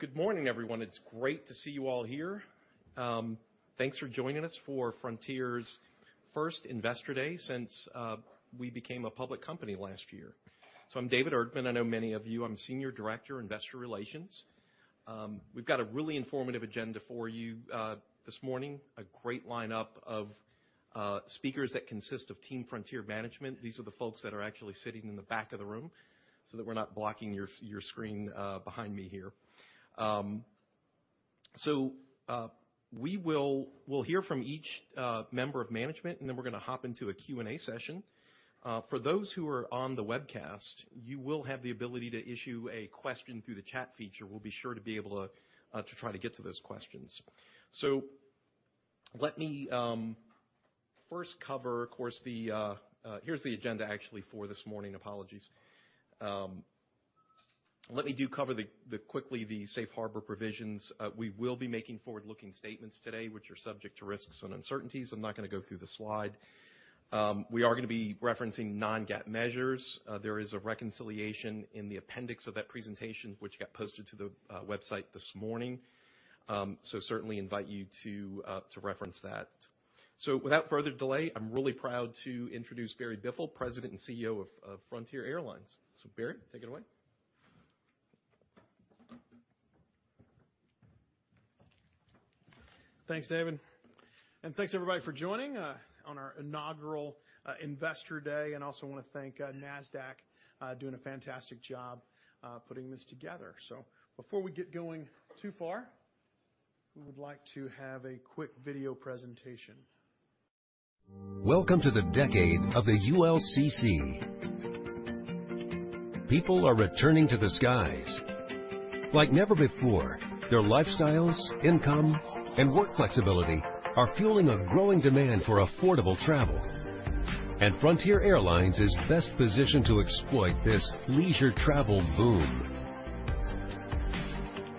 Good morning, everyone. It's great to see you all here. Thanks for joining us for Frontier's first Investor Day since we became a public company last year. I'm David Erdman. I know many of you. I'm Senior Director, Investor Relations. We've got a really informative agenda for you this morning. A great lineup of speakers that consist of Team Frontier Management. These are the folks that are actually sitting in the back of the room, so that we're not blocking your screen behind me here. We'll hear from each member of management, and then we're gonna hop into a Q&A session. For those who are on the webcast, you will have the ability to issue a question through the chat feature. We'll be sure to be able to to try to get to those questions. Let me first cover, of course. Here's the agenda actually for this morning. Apologies. Let me quickly cover the safe harbor provisions. We will be making forward-looking statements today which are subject to risks and uncertainties. I'm not gonna go through the slide. We are gonna be referencing non-GAAP measures. There is a reconciliation in the appendix of that presentation which got posted to the website this morning. Certainly invite you to reference that. Without further delay, I'm really proud to introduce Barry Biffle, President and CEO of Frontier Airlines. Barry, take it away. Thanks, David. Thanks everybody for joining on our inaugural Investor Day. I also wanna thank Nasdaq for doing a fantastic job putting this together. Before we get going too far, we would like to have a quick video presentation. Welcome to the decade of the ULCC. People are returning to the skies like never before. Their lifestyles, income, and work flexibility are fueling a growing demand for affordable travel. Frontier Airlines is best positioned to exploit this leisure travel boom.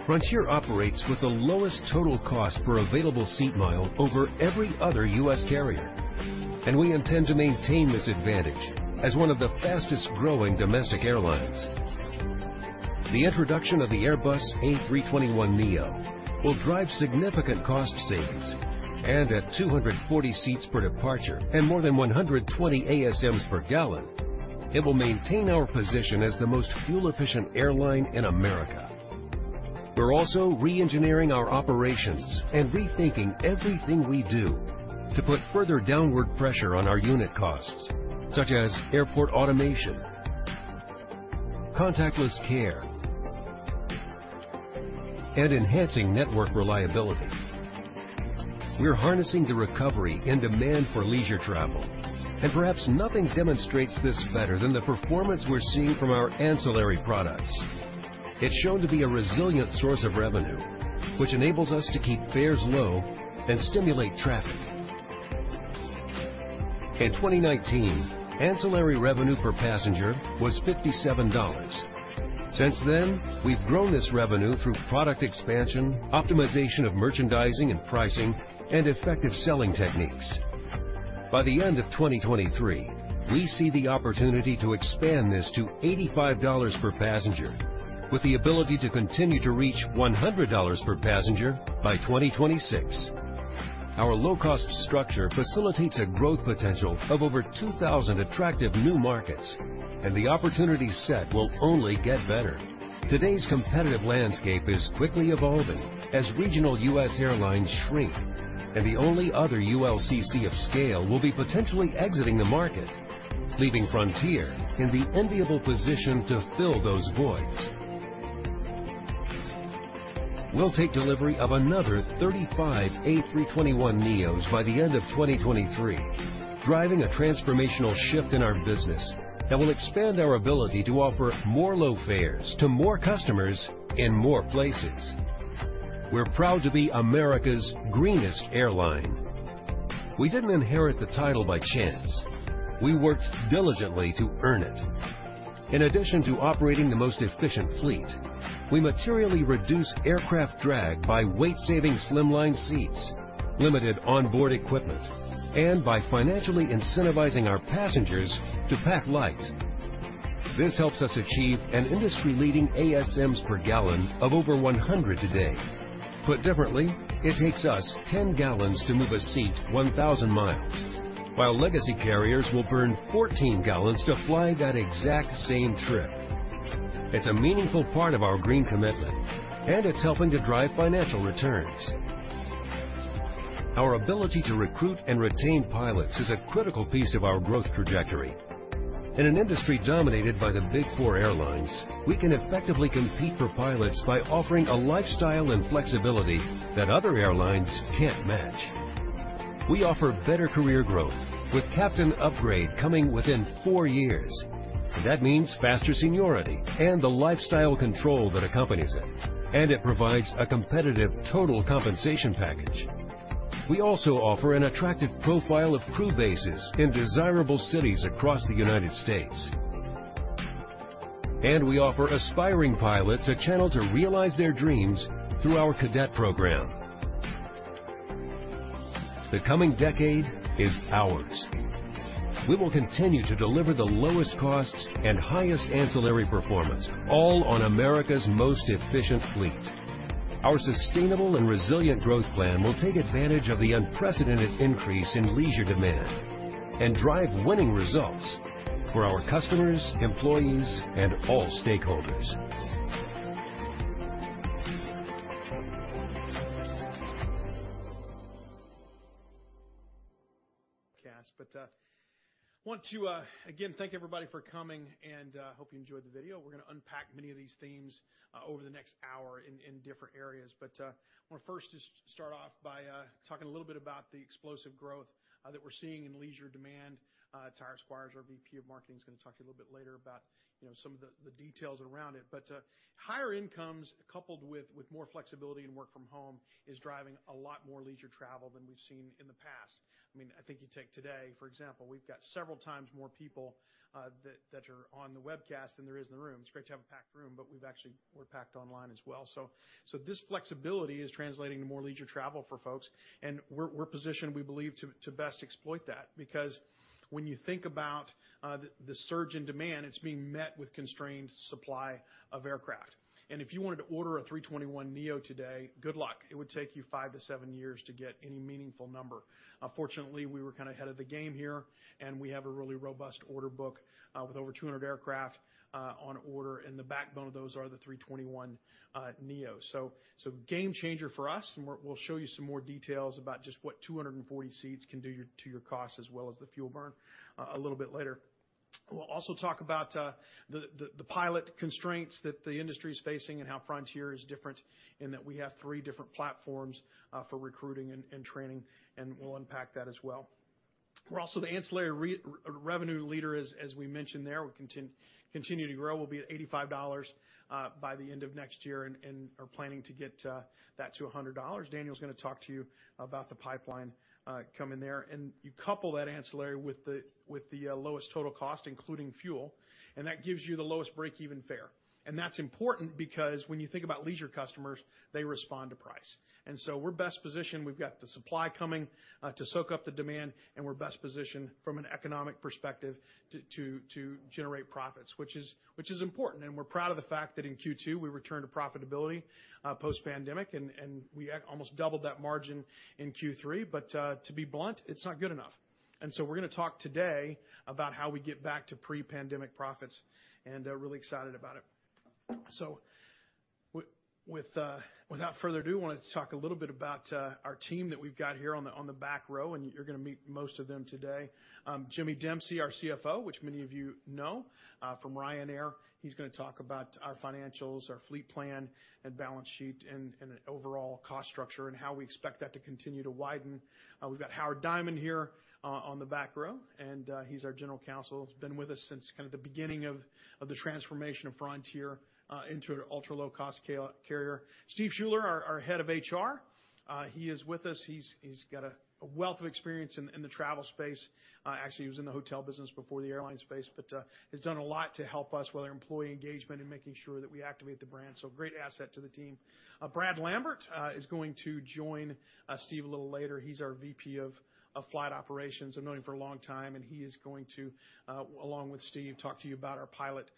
Frontier operates with the lowest total cost per available seat mile over every other U.S. carrier. We intend to maintain this advantage as one of the fastest-growing domestic airlines. The introduction of the Airbus A321neo will drive significant cost savings. At 240 seats per departure and more than 120 ASMs per gallon, it will maintain our position as the most fuel-efficient airline in America. We're also re-engineering our operations and rethinking everything we do to put further downward pressure on our unit costs, such as airport automation, contactless care, and enhancing network reliability. We're harnessing the recovery and demand for leisure travel, and perhaps nothing demonstrates this better than the performance we're seeing from our ancillary products. It's shown to be a resilient source of revenue, which enables us to keep fares low and stimulate traffic. In 2019, ancillary revenue per passenger was $57. Since then, we've grown this revenue through product expansion, optimization of merchandising and pricing, and effective selling techniques. By the end of 2023, we see the opportunity to expand this to $85 per passenger with the ability to continue to reach $100 per passenger by 2026. Our low-cost structure facilitates a growth potential of over 2,000 attractive new markets, and the opportunity set will only get better. Today's competitive landscape is quickly evolving as regional U.S. airlines shrink, and the only other ULCC of scale will be potentially exiting the market, leaving Frontier in the enviable position to fill those voids. We'll take delivery of another 35 A321neos by the end of 2023, driving a transformational shift in our business that will expand our ability to offer more low fares to more customers in more places. We're proud to be America's greenest airline. We didn't inherit the title by chance. We worked diligently to earn it. In addition to operating the most efficient fleet, we materially reduce aircraft drag by weight-saving slim line seats, limited onboard equipment, and by financially incentivizing our passengers to pack light. This helps us achieve an industry-leading ASMs per gallon of over 100 today. Put differently, it takes us 10 gal to move a seat 1,000 mi, while legacy carriers will burn 14 gal to fly that exact same trip. It's a meaningful part of our green commitment, and it's helping to drive financial returns. Our ability to recruit and retain pilots is a critical piece of our growth trajectory. In an industry dominated by the big four airlines, we can effectively compete for pilots by offering a lifestyle and flexibility that other airlines can't match. We offer better career growth, with captain upgrade coming within four years. That means faster seniority and the lifestyle control that accompanies it, and it provides a competitive total compensation package. We also offer an attractive profile of crew bases in desirable cities across the United States. We offer aspiring pilots a channel to realize their dreams through our cadet program. The coming decade is ours. We will continue to deliver the lowest costs and highest ancillary performance, all on America's most efficient fleet. Our sustainable and resilient growth plan will take advantage of the unprecedented increase in leisure demand and drive winning results for our customers, employees, and all stakeholders. Want to again thank everybody for coming and hope you enjoyed the video. We're gonna unpack many of these themes over the next hour in different areas. Wanna first just start off by talking a little bit about the explosive growth that we're seeing in leisure demand. Tyra Squires, our VP of Marketing, is gonna talk to you a little bit later about, you know, some of the details around it. Higher incomes coupled with more flexibility in work from home is driving a lot more leisure travel than we've seen in the past. I mean, I think you take today, for example, we've got several times more people that are on the webcast than there is in the room. It's great to have a packed room, but we're packed online as well. This flexibility is translating to more leisure travel for folks, and we're positioned, we believe, to best exploit that because when you think about the surge in demand, it's being met with constrained supply of aircraft. If you wanted to order an A321neo today, good luck. It would take you five to seven years to get any meaningful number. Fortunately, we were kind of ahead of the game here, and we have a really robust order book with over 200 aircraft on order, and the backbone of those are the A321neo. Game changer for us, and we'll show you some more details about just what 240 seats can do to your cost as well as the fuel burn a little bit later. We'll also talk about the pilot constraints that the industry is facing and how Frontier is different in that we have three different platforms for recruiting and training, and we'll unpack that as well. We're also the ancillary revenue leader, as we mentioned there. We continue to grow. We'll be at $85 by the end of next year and are planning to get that to $100. Daniel's gonna talk to you about the pipeline coming there. You couple that ancillary with the lowest total cost, including fuel, and that gives you the lowest break-even fare. That's important because when you think about leisure customers, they respond to price. We're best positioned. We've got the supply coming to soak up the demand, and we're best positioned from an economic perspective to generate profits, which is important, and we're proud of the fact that in Q2, we returned to profitability post-pandemic, and we almost doubled that margin in Q3. To be blunt, it's not good enough. We're gonna talk today about how we get back to pre-pandemic profits, and really excited about it. Without further ado, wanted to talk a little bit about our team that we've got here on the back row, and you're gonna meet most of them today. Jimmy Dempsey, our CFO, which many of you know from Ryanair. He's gonna talk about our financials, our fleet plan and balance sheet and overall cost structure and how we expect that to continue to widen. We've got Howard M. Diamond here on the back row, and he's our general counsel. He's been with us since kind of the beginning of the transformation of Frontier into an ultra-low-cost carrier. Steve Schuller, our head of HR. He is with us. He's got a wealth of experience in the travel space. Actually, he was in the hotel business before the airline space, but has done a lot to help us with our employee engagement and making sure that we activate the brand. Great asset to the team. Brad Lambert is going to join Steve a little later. He's our VP of Flight Operations. I've known him for a long time, and he is going to, along with Steve, talk to you about our pilot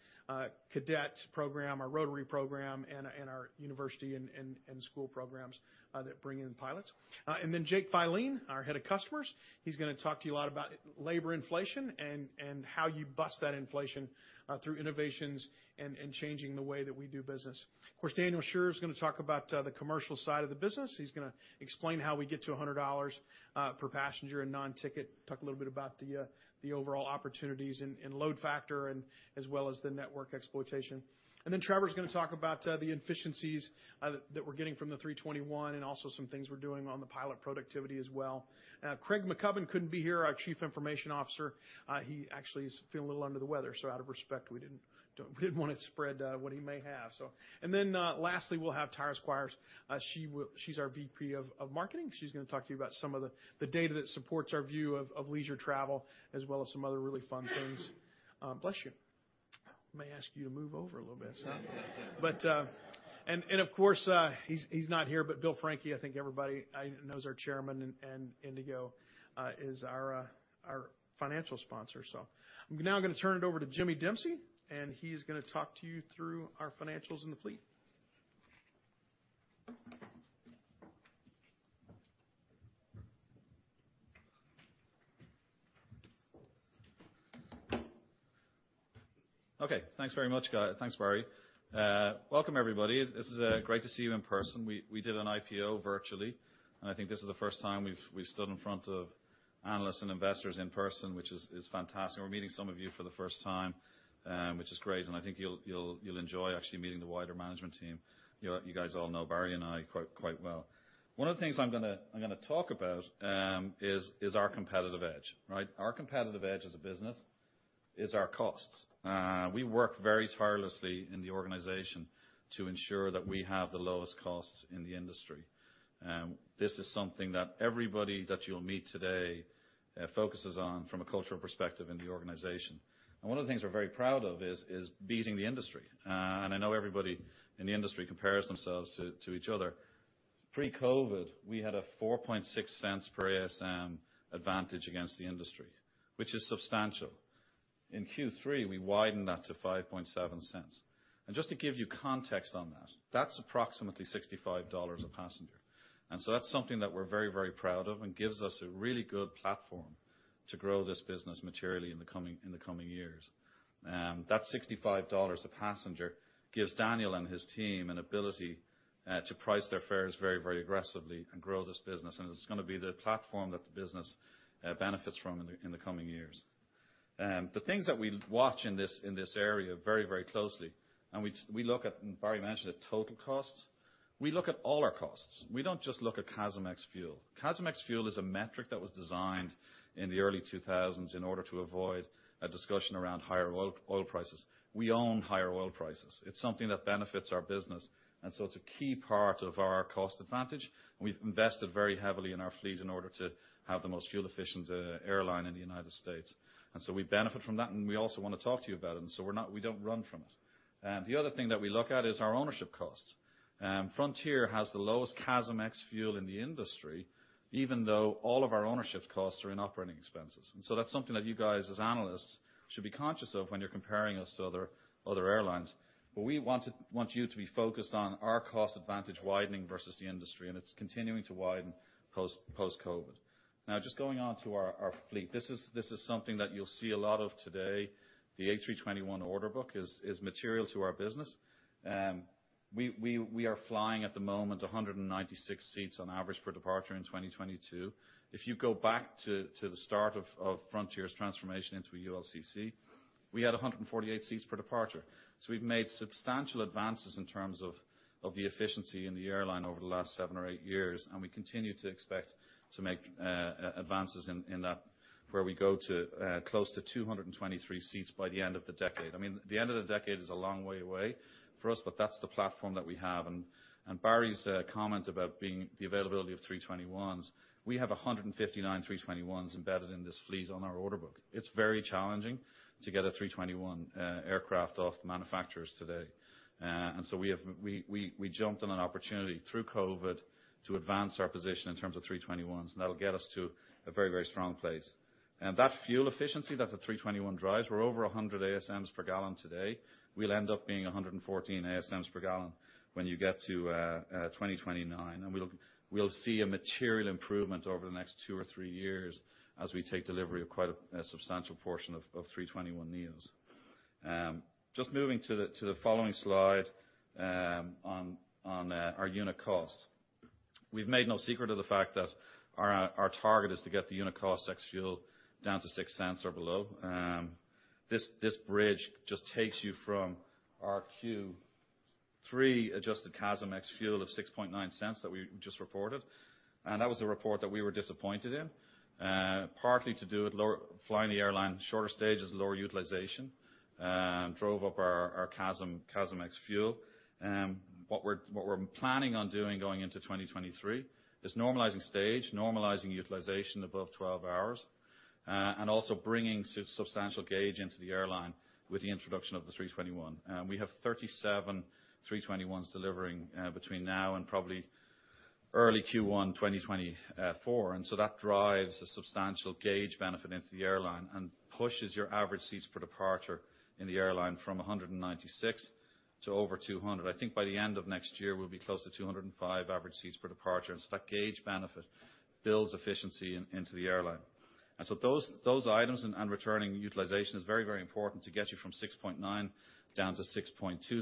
cadet program, our rotary program and our university and school programs that bring in pilots. Jake Filene, our head of customers, he's gonna talk to you a lot about labor inflation and how you bust that inflation through innovations and changing the way that we do business. Of course, Daniel Shurz is gonna talk about the commercial side of the business. He's gonna explain how we get to $100 per passenger in non-ticket. Talk a little bit about the overall opportunities and load factor as well as the network exploitation. Trevor Stedke is gonna talk about the efficiencies that we're getting from the A321 and also some things we're doing on the pilot productivity as well. Craig Maccubbin couldn't be here, our Chief Information Officer. He actually is feeling a little under the weather, so out of respect, we didn't wanna spread what he may have. Lastly, we'll have Tyra Squires. She's our VP of Marketing. She's gonna talk to you about some of the data that supports our view of leisure travel, as well as some other really fun things. Bless you. May I ask you to move over a little bit, sir? Of course, he's not here, but Bill Franke, I think everybody knows our chairman, and Indigo is our financial sponsor. I'm now gonna turn it over to Jimmy Dempsey, and he's gonna talk to you through our financials and the fleet. Okay. Thanks very much, guy. Thanks, Barry. Welcome, everybody. This is great to see you in person. We did an IPO virtually. I think this is the first time we've stood in front of analysts and investors in person, which is fantastic. We're meeting some of you for the first time, which is great, and I think you'll enjoy actually meeting the wider management team. You guys all know Barry and I quite well. One of the things I'm gonna talk about is our competitive edge. Right? Our competitive edge as a business is our costs. We work very tirelessly in the organization to ensure that we have the lowest costs in the industry. This is something that everybody that you'll meet today focuses on from a cultural perspective in the organization. One of the things we're very proud of is beating the industry. I know everybody in the industry compares themselves to each other. Pre-COVID, we had a $0.46 per ASM advantage against the industry, which is substantial. In Q3, we widened that to $0.57. Just to give you context on that's approximately $65 a passenger. That's something that we're very, very proud of and gives us a really good platform to grow this business materially in the coming years. That $65 a passenger gives Daniel and his team an ability to price their fares very, very aggressively and grow this business, and it's gonna be the platform that the business benefits from in the coming years. The things that we watch in this area very closely, and we look at, and Barry mentioned it, total cost. We look at all our costs. We don't just look at CASM ex-fuel. CASM ex-fuel is a metric that was designed in the early 2000s in order to avoid a discussion around higher oil prices. We own higher oil prices. It's something that benefits our business, so it's a key part of our cost advantage, and we've invested very heavily in our fleet in order to have the most fuel-efficient airline in the United States. We benefit from that, and we also wanna talk to you about it, so we're not. We don't run from it. The other thing that we look at is our ownership costs. Frontier has the lowest CASM ex-fuel in the industry, even though all of our ownership costs are in operating expenses. That's something that you guys as analysts should be conscious of when you're comparing us to other airlines. We want you to be focused on our cost advantage widening versus the industry, and it's continuing to widen post COVID. Now just going on to our fleet. This is something that you'll see a lot of today. The A321 order book is material to our business. We are flying at the moment 196 seats on average per departure in 2022. If you go back to the start of Frontier's transformation into a ULCC, we had 148 seats per departure. We've made substantial advances in terms of the efficiency in the airline over the last seven or eight years, and we continue to expect to make advances in that where we go to close to 223 seats by the end of the decade. I mean, the end of the decade is a long way away for us, but that's the platform that we have. Barry's comment about the availability of A321s, we have 159 A321s embedded in this fleet on our order book. It's very challenging to get a A321 aircraft from manufacturers today. We jumped on an opportunity through COVID to advance our position in terms of A321s, and that'll get us to a very strong place. That fuel efficiency that the A321 drives, we're over 100 ASMs per gallon today. We'll end up being 114 ASMs per gallon when you get to 2029. We'll see a material improvement over the next two or three years as we take delivery of quite a substantial portion of A321neos. Just moving to the following slide on our unit costs. We've made no secret of the fact that our target is to get the unit cost ex-fuel down to $0.06 or below. This bridge just takes you from our Q3 adjusted CASM ex-fuel of $0.069 that we just reported. That was a report that we were disappointed in, partly to do with lower. Flying the airline shorter stages, lower utilization drove up our CASM ex-fuel. What we're planning on doing going into 2023 is normalizing stage, normalizing utilization above 12 hours, and also bringing substantial gauge into the airline with the introduction of the A321. We have 37 A321s delivering between now and probably early Q1 2024. That drives a substantial gauge benefit into the airline and pushes your average seats per departure in the airline from 196 to over 200. I think by the end of next year, we'll be close to 205 average seats per departure. That gauge benefit builds efficiency into the airline. Those items and returning utilization is very important to get you from $0.069 down to $0.062.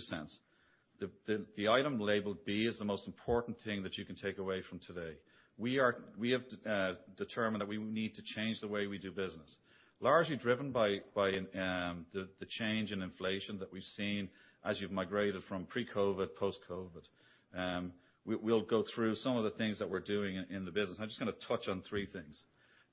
The item labeled B is the most important thing that you can take away from today. We have determined that we need to change the way we do business. Largely driven by the change in inflation that we've seen as you've migrated from pre-COVID, post-COVID. We'll go through some of the things that we're doing in the business. I'm just gonna touch on three things.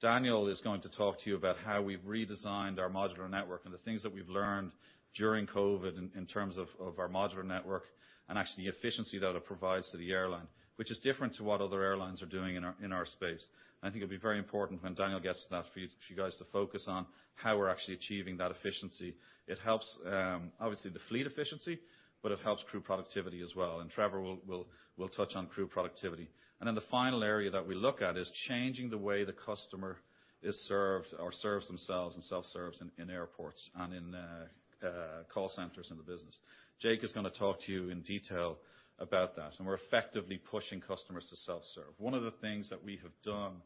Daniel is going to talk to you about how we've redesigned our modular network and the things that we've learned during COVID in terms of our modular network, and actually the efficiency that it provides to the airline, which is different to what other airlines are doing in our space. I think it'll be very important when Daniel gets to that for you guys to focus on how we're actually achieving that efficiency. It helps obviously the fleet efficiency, but it helps crew productivity as well. Trevor will touch on crew productivity. The final area that we look at is changing the way the customer is served or serves themselves and self-serves in airports and call centers in the business. Jake is gonna talk to you in detail about that, and we're effectively pushing customers to self-serve. One of the things that we have done,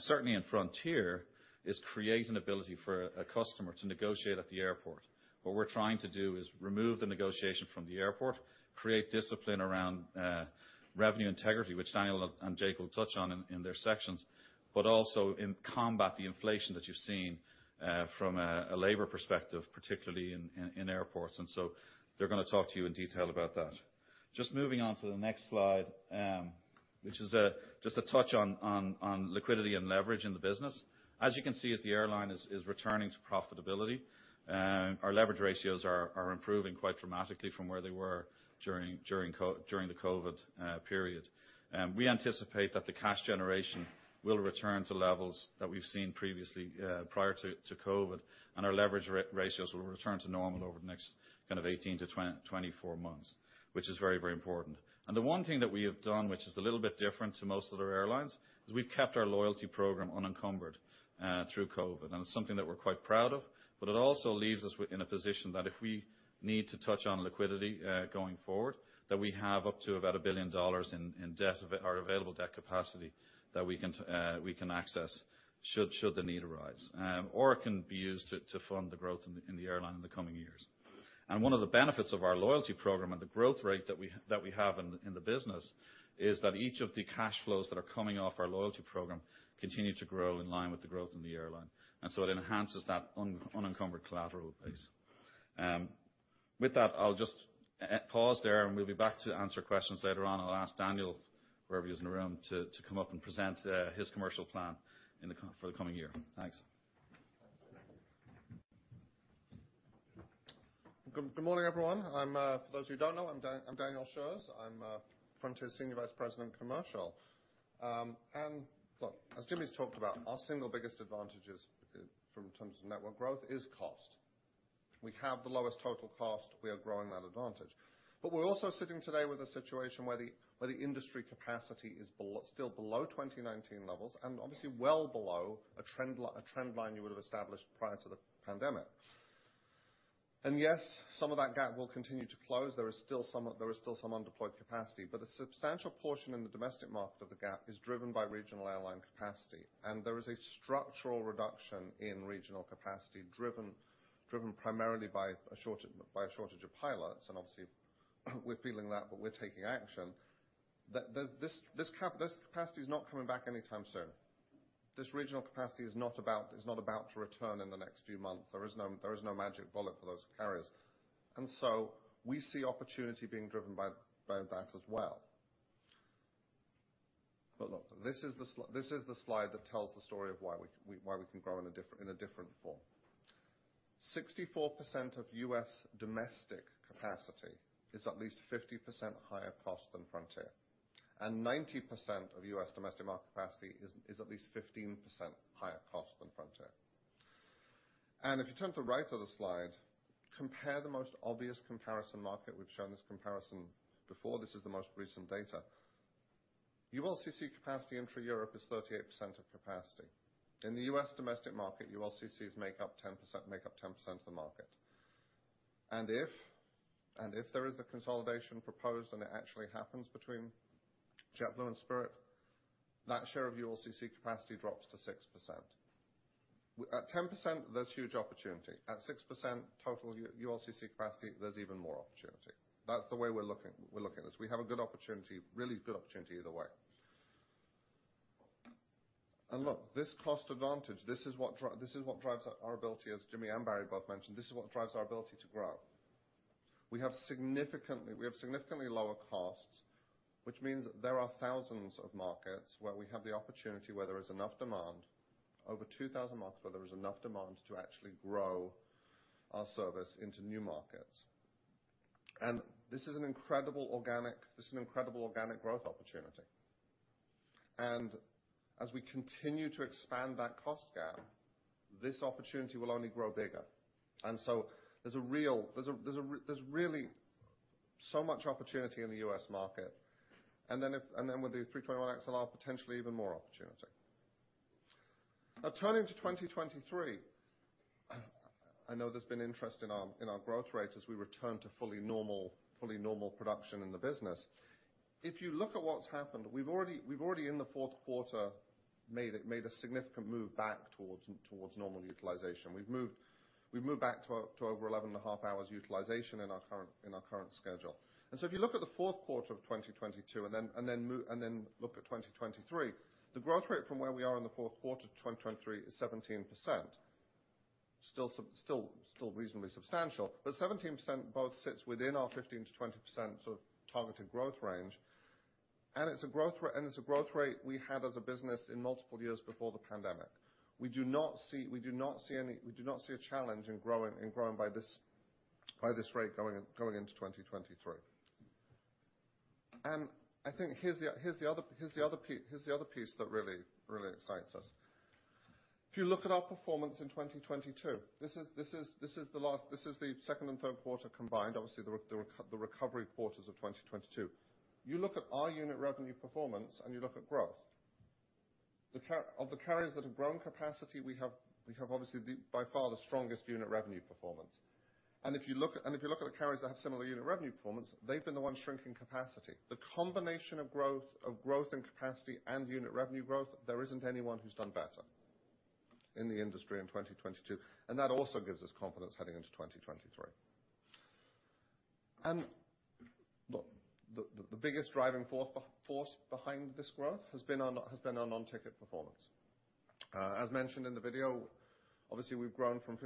certainly in Frontier, is create an ability for a customer to negotiate at the airport. What we're trying to do is remove the negotiation from the airport, create discipline around revenue integrity, which Daniel and Jake will touch on in their sections. Also to combat the inflation that you've seen from a labor perspective, particularly in airports. They're gonna talk to you in detail about that. Just moving on to the next slide, which is just a touch on liquidity and leverage in the business. As you can see, as the airline is returning to profitability, our leverage ratios are improving quite dramatically from where they were during the COVID period. We anticipate that the cash generation will return to levels that we've seen previously prior to COVID, and our leverage ratios will return to normal over the next kind of 18-24 months, which is very important. The one thing that we have done, which is a little bit different to most other airlines, is we've kept our loyalty program unencumbered through COVID. It's something that we're quite proud of, but it also leaves us within a position that if we need to touch on liquidity going forward, that we have up to about $1 billion in available debt capacity that we can access should the need arise. Or it can be used to fund the growth in the airline in the coming years. One of the benefits of our loyalty program and the growth rate that we have in the business is that each of the cash flows that are coming off our loyalty program continue to grow in line with the growth in the airline. It enhances that unencumbered collateral base. With that, I'll just pause there, and we'll be back to answer questions later on. I'll ask Daniel, wherever he is in the room, to come up and present his commercial plan for the coming year. Thanks. Good morning, everyone. I'm for those of you who don't know, I'm Daniel Shurz. I'm Frontier's Senior Vice President, Commercial. Look, as Jimmy's talked about, our single biggest advantage is in terms of network growth is cost. We have the lowest total cost. We are growing that advantage. We're also sitting today with a situation where the industry capacity is still below 2019 levels and obviously well below a trend line you would've established prior to the pandemic. Yes, some of that gap will continue to close. There is still some undeployed capacity, but a substantial portion in the domestic market of the gap is driven by regional airline capacity. There is a structural reduction in regional capacity driven primarily by a shortage of pilots, and obviously we're feeling that, but we're taking action. This capacity is not coming back anytime soon. This regional capacity is not about to return in the next few months. There is no magic bullet for those carriers. We see opportunity being driven by that as well. Look, this is the slide that tells the story of why we can grow in a different form. 64% of U.S. domestic capacity is at least 50% higher cost than Frontier, and 90% of U.S. domestic market capacity is at least 15% higher cost than Frontier. If you turn to the right of the slide, compare the most obvious comparison market. We've shown this comparison before. This is the most recent data. ULCC capacity intra-Europe is 38% of capacity. In the U.S. domestic market, ULCCs make up 10% of the market. If there is a consolidation proposed, and it actually happens between JetBlue and Spirit, that share of ULCC capacity drops to 6%. At 10%, there's huge opportunity. At 6% total ULCC capacity, there's even more opportunity. That's the way we're looking at this. We have a good opportunity, really good opportunity either way. Look, this cost advantage, this is what drives our ability, as Jimmy and Barry both mentioned, this is what drives our ability to grow. We have significantly lower costs, which means there are thousands of markets where we have the opportunity, over 2,000 markets, where there is enough demand to actually grow our service into new markets. This is an incredible organic growth opportunity. As we continue to expand that cost gap, this opportunity will only grow bigger. There's really so much opportunity in the U.S. market. With the A321XLR, potentially even more opportunity. Now turning to 2023, I know there's been interest in our growth rate as we return to fully normal production in the business. If you look at what's happened, we've already in the fourth quarter made a significant move back towards normal utilization. We've moved back to over 11.5 hours utilization in our current schedule. If you look at the fourth quarter of 2022 and then look at 2023, the growth rate from where we are in the fourth quarter to 2023 is 17%. Still reasonably substantial, but 17% both sits within our 15%-20% sort of targeted growth range, and it's a growth rate we had as a business in multiple years before the pandemic. We do not see a challenge in growing by this rate going into 2023. I think here's the other piece that really excites us. If you look at our performance in 2022, this is the second and third quarter combined. Obviously, the recovery quarters of 2022. You look at our unit revenue performance, and you look at growth. Of the carriers that have grown capacity, we have obviously by far the strongest unit revenue performance. If you look at the carriers that have similar unit revenue performance, they've been the ones shrinking capacity. The combination of growth and capacity and unit revenue growth, there isn't anyone who's done better in the industry in 2022, and that also gives us confidence heading into 2023. Look, the biggest driving force behind this growth has been our non-ticket performance. As mentioned in the video, obviously, we've grown from $57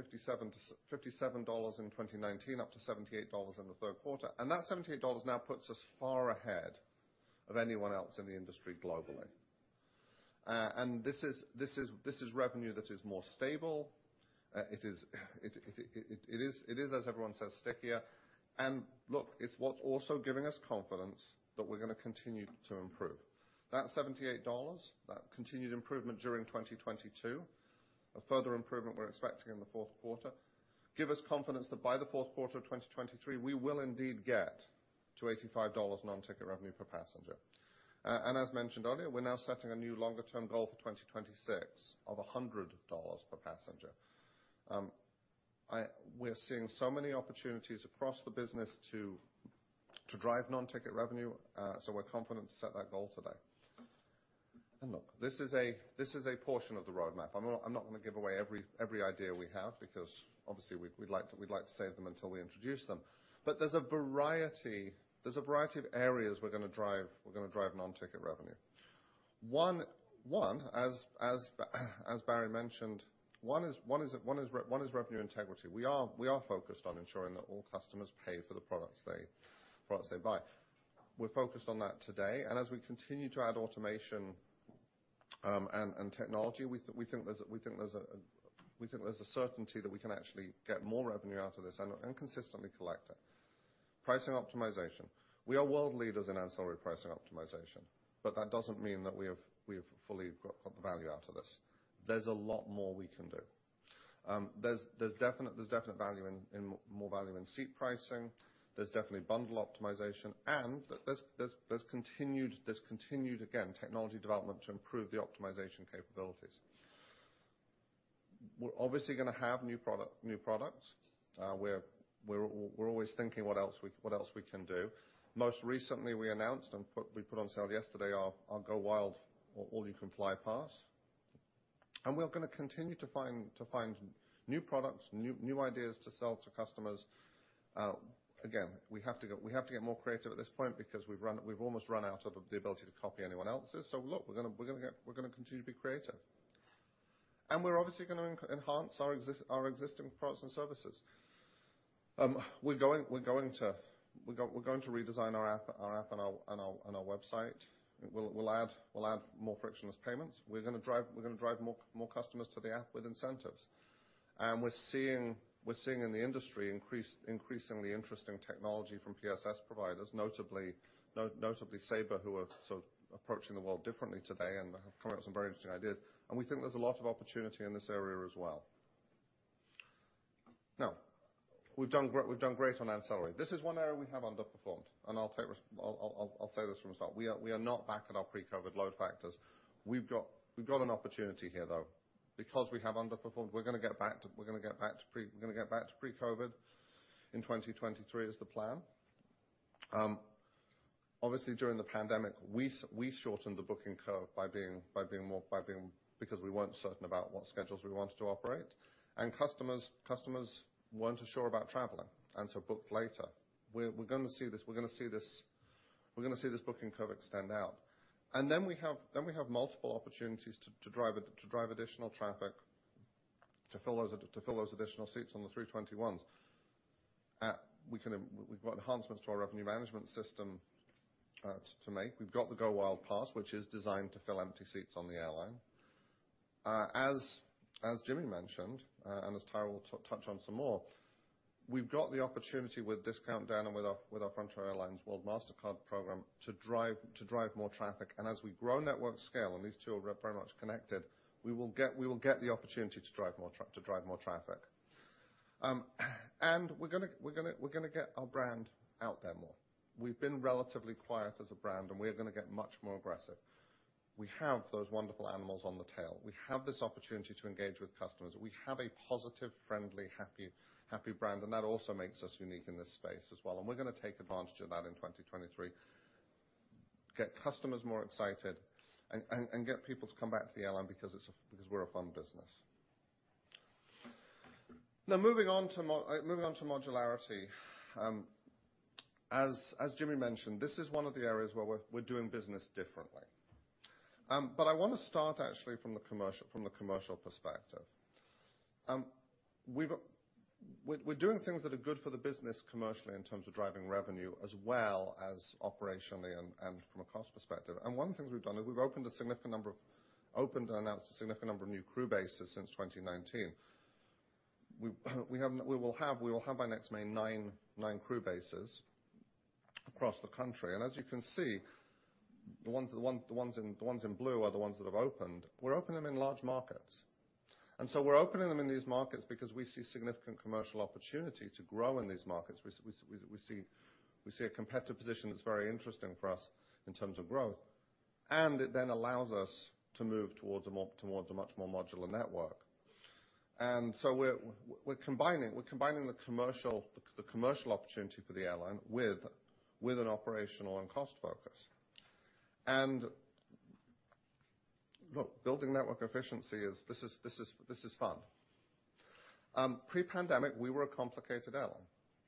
in 2019 up to $78 in the third quarter, and that $78 now puts us far ahead of anyone else in the industry globally. This is revenue that is more stable. It is as everyone says, stickier. Look, it's what's also giving us confidence that we're gonna continue to improve. $78, that continued improvement during 2022, a further improvement we're expecting in the fourth quarter, give us confidence that by the fourth quarter of 2023, we will indeed get to $85 non-ticket revenue per passenger. As mentioned earlier, we're now setting a new longer-term goal for 2026 of $100 per passenger. We're seeing so many opportunities across the business to drive non-ticket revenue, so we're confident to set that goal today. Look, this is a portion of the roadmap. I'm not gonna give away every idea we have because obviously we'd like to save them until we introduce them. There's a variety of areas we're gonna drive non-ticket revenue. As Barry mentioned, one is revenue integrity. We are focused on ensuring that all customers pay for the products they buy. We're focused on that today, and as we continue to add automation and technology, we think there's a certainty that we can actually get more revenue out of this and consistently collect it. Pricing optimization. We are world leaders in ancillary pricing optimization, but that doesn't mean that we have fully got the value out of this. There's a lot more we can do. There's definite value in more value in seat pricing. There's definitely bundle optimization and there's continued, again, technology development to improve the optimization capabilities. We're obviously gonna have new product, new products. We're always thinking what else we can do. Most recently we announced and put on sale yesterday our GoWild! Pass. We're gonna continue to find new products, new ideas to sell to customers. Again, we have to get more creative at this point because we've almost run out of the ability to copy anyone else's. Look, we're gonna continue to be creative. We're obviously gonna enhance our existing products and services. We're going to redesign our app and our website. We'll add more frictionless payments. We're gonna drive more customers to the app with incentives. We're seeing in the industry increasingly interesting technology from PSS providers, notably Sabre, who are sort of approaching the world differently today and have come up with some very interesting ideas. We think there's a lot of opportunity in this area as well. Now, we've done great on ancillary. This is one area we have underperformed, and I'll say this from the start. We are not back at our pre-COVID load factors. We've got an opportunity here, though. Because we have underperformed, we're gonna get back to pre-COVID in 2023 is the plan. Obviously during the pandemic, we shortened the booking curve by being more because we weren't certain about what schedules we wanted to operate. Customers weren't as sure about traveling, so booked later. We're gonna see this booking curve extend out. Then we have multiple opportunities to drive additional traffic, to fill those additional seats on the 321s. We've got enhancements to our revenue management system to make. We've got the GoWild! Pass, which is designed to fill empty seats on the airline. As Jimmy mentioned, and as Tyra will touch on some more, we've got the opportunity with Discount Den and with our Frontier Airlines World Mastercard program to drive more traffic. As we grow network scale, and these two are very much connected, we will get the opportunity to drive more traffic. We're gonna get our brand out there more. We've been relatively quiet as a brand, and we're gonna get much more aggressive. We have those wonderful animals on the tail. We have this opportunity to engage with customers. We have a positive, friendly, happy brand, and that also makes us unique in this space as well, and we're gonna take advantage of that in 2023. Get customers more excited and get people to come back to the airline because we're a fun business. Moving on to modularity. As Jimmy mentioned, this is one of the areas where we're doing business differently. But I wanna start actually from the commercial perspective. We're doing things that are good for the business commercially in terms of driving revenue as well as operationally and from a cost perspective. One of the things we've done is we've opened and announced a significant number of new crew bases since 2019. We will have by next May nine crew bases across the country. As you can see, the ones in blue are the ones that have opened. We're opening them in large markets. We're opening them in these markets because we see significant commercial opportunity to grow in these markets. We see a competitive position that's very interesting for us in terms of growth. It allows us to move towards a much more modular network. We're combining the commercial opportunity for the airline with an operational and cost focus. Look, building network efficiency is fun. Pre-pandemic, we were a complicated airline.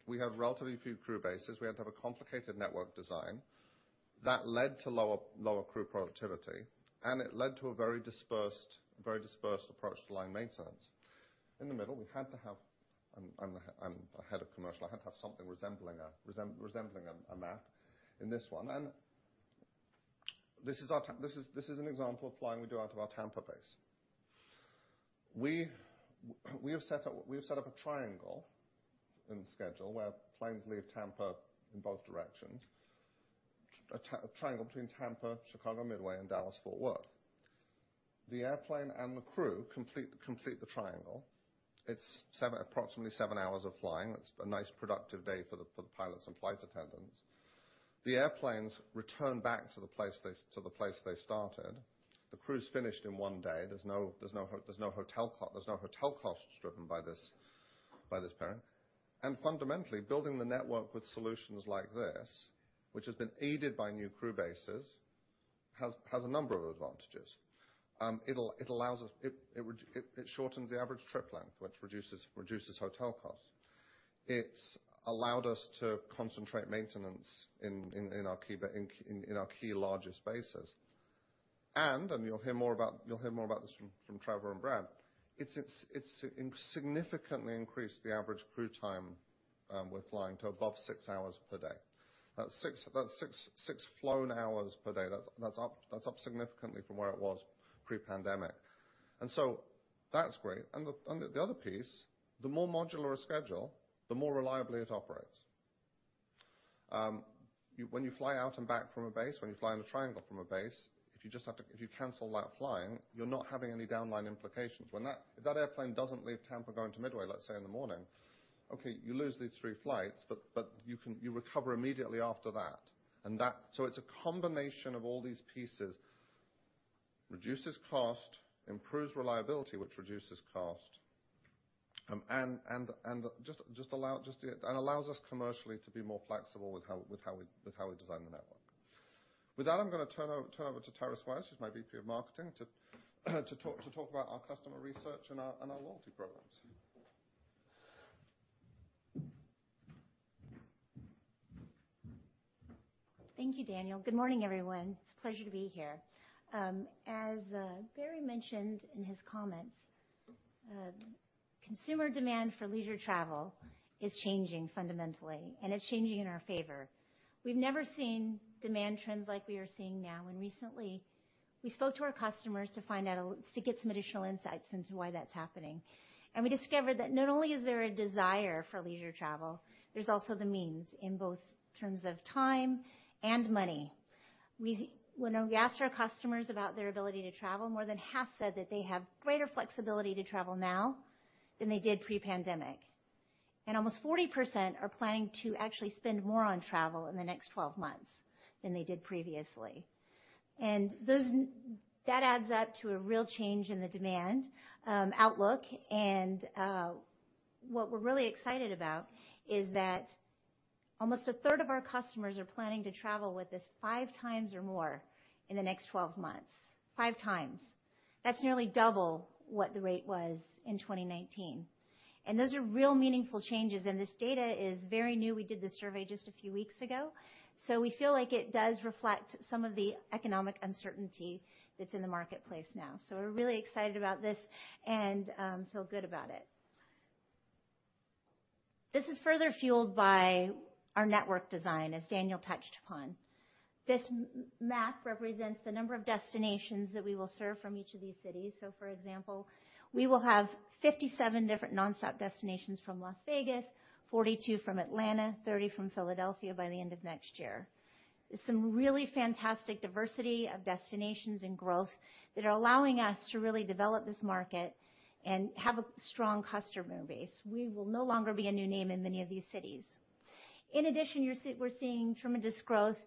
We had relatively few crew bases. We had to have a complicated network design. That led to lower crew productivity, and it led to a very dispersed approach to line maintenance. In the middle, we had to have. I'm a head of commercial, I had to have something resembling a map in this one. This is an example of flying we do out of our Tampa base. We have set up a triangle in the schedule where planes leave Tampa in both directions, a triangle between Tampa, Chicago Midway, and Dallas/Fort Worth. The airplane and the crew complete the triangle. It's approximately seven hours of flying. That's a nice productive day for the pilots and flight attendants. The airplanes return back to the place they started. The crew's finished in one day. There's no hotel costs driven by this. By this pairing. Fundamentally, building the network with solutions like this, which has been aided by new crew bases, has a number of advantages. It shortens the average trip length, which reduces hotel costs. It's allowed us to concentrate maintenance in our key largest bases. You'll hear more about this from Trevor and Brad. It's significantly increased the average crew time with flying to above six hours per day. That's six flown hours per day. That's up significantly from where it was pre-pandemic. That's great. The other piece, the more modular a schedule, the more reliably it operates. When you fly out and back from a base, when you fly in a triangle from a base, if you cancel that flying, you're not having any downline implications. If that airplane doesn't leave Tampa going to Midway, let's say in the morning, okay, you lose these three flights, but you recover immediately after that. It's a combination of all these pieces. Reduces cost, improves reliability, which reduces cost, and allows us commercially to be more flexible with how we design the network. With that, I'm gonna turn over to Tyra Squires, who's my VP of Marketing, to talk about our customer research and our loyalty programs. Thank you, Daniel. Good morning, everyone. It's a pleasure to be here. As Barry mentioned in his comments, consumer demand for leisure travel is changing fundamentally, and it's changing in our favor. We've never seen demand trends like we are seeing now. Recently, we spoke to our customers to get some additional insights into why that's happening. We discovered that not only is there a desire for leisure travel, there's also the means in both terms of time and money. When we asked our customers about their ability to travel, more than half said that they have greater flexibility to travel now than they did pre-pandemic. Almost 40% are planning to actually spend more on travel in the next 12 months than they did previously. that adds up to a real change in the demand outlook and what we're really excited about is that almost 1/3 of our customers are planning to travel with us five times or more in the next 12 months. Five times. That's nearly double what the rate was in 2019. Those are real meaningful changes, and this data is very new. We did the survey just a few weeks ago. We feel like it does reflect some of the economic uncertainty that's in the marketplace now. We're really excited about this and feel good about it. This is further fueled by our network design, as Daniel touched upon. This map represents the number of destinations that we will serve from each of these cities. For example, we will have 57 different nonstop destinations from Las Vegas, 42 from Atlanta, 30 from Philadelphia by the end of next year. Some really fantastic diversity of destinations and growth that are allowing us to really develop this market and have a strong customer base. We will no longer be a new name in many of these cities. In addition, we're seeing tremendous growth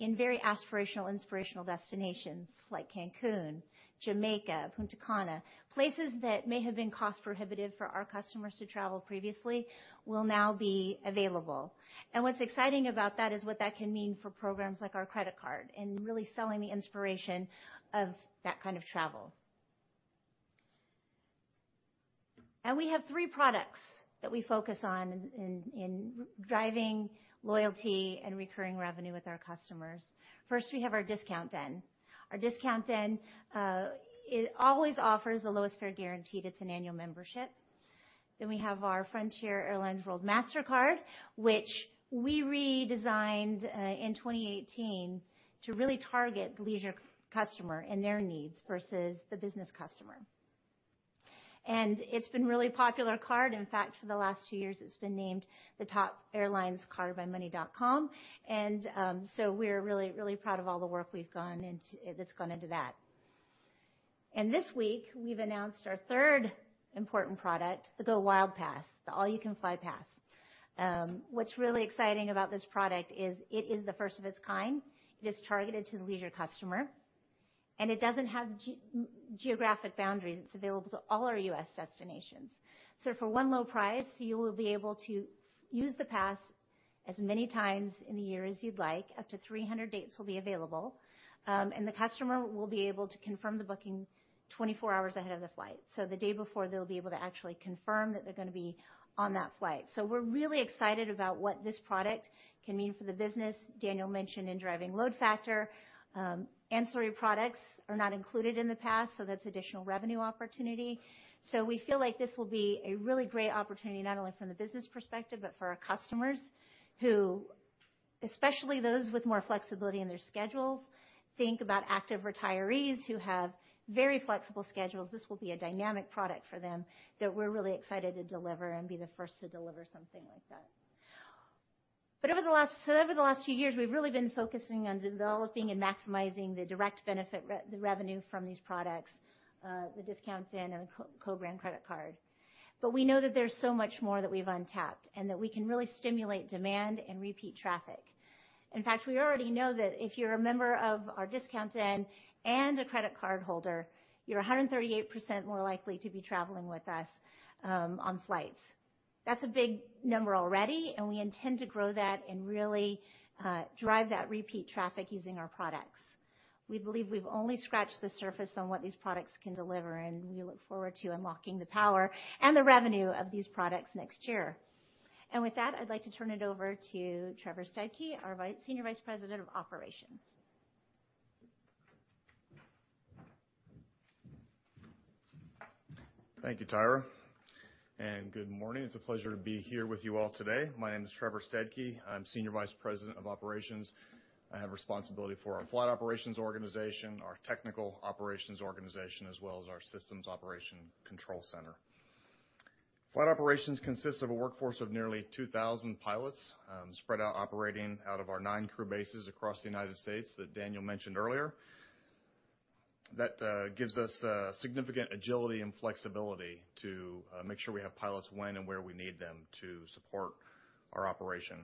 in very aspirational, inspirational destinations like Cancún, Jamaica, Punta Cana. Places that may have been cost-prohibitive for our customers to travel previously will now be available. What's exciting about that is what that can mean for programs like our credit card and really selling the inspiration of that kind of travel. We have three products that we focus on in driving loyalty and recurring revenue with our customers. First, we have our Discount Den. Our Discount Den, it always offers the lowest fare guaranteed. It's an annual membership. We have our Frontier Airlines World Mastercard, which we redesigned in 2018 to really target leisure customer and their needs versus the business customer. It's been a really popular card. In fact, for the last two years, it's been named the top airlines card by Money.com. We're really, really proud of all the work that's gone into that. This week, we've announced our third important product, the GoWild! Pass, the all-you-can-fly pass. What's really exciting about this product is it is the first of its kind. It is targeted to the leisure customer, and it doesn't have geographic boundaries. It's available to all our U.S. destinations. For one low price, you will be able to use the pass as many times in the year as you'd like, up to 300 dates will be available. The customer will be able to confirm the booking 24 hours ahead of the flight. The day before, they'll be able to actually confirm that they're gonna be on that flight. We're really excited about what this product can mean for the business. Daniel mentioned in driving load factor. Ancillary products are not included in the pass, so that's additional revenue opportunity. We feel like this will be a really great opportunity, not only from the business perspective, but for our customers who, especially those with more flexibility in their schedules, think about active retirees who have very flexible schedules. This will be a dynamic product for them that we're really excited to deliver and be the first to deliver something like that. Over the last few years, we've really been focusing on developing and maximizing the revenue from these products, the Discount Den and co-branded credit card. We know that there's so much more that we've untapped and that we can really stimulate demand and repeat traffic. In fact, we already know that if you're a member of our Discount Den and a credit card holder, you're 138% more likely to be traveling with us on flights. That's a big number already, and we intend to grow that and really drive that repeat traffic using our products. We believe we've only scratched the surface on what these products can deliver, and we look forward to unlocking the power and the revenue of these products next year. With that, I'd like to turn it over to Trevor Stedke, our Senior Vice President of Operations. Thank you, Tyra. Good morning. It's a pleasure to be here with you all today. My name is Trevor Stedke. I'm Senior Vice President of Operations. I have responsibility for our flight operations organization, our technical operations organization, as well as our systems operation control center. Flight operations consists of a workforce of nearly 2,000 pilots, spread out operating out of our nine crew bases across the United States that Daniel Shurz mentioned earlier. That gives us significant agility and flexibility to make sure we have pilots when and where we need them to support our operation.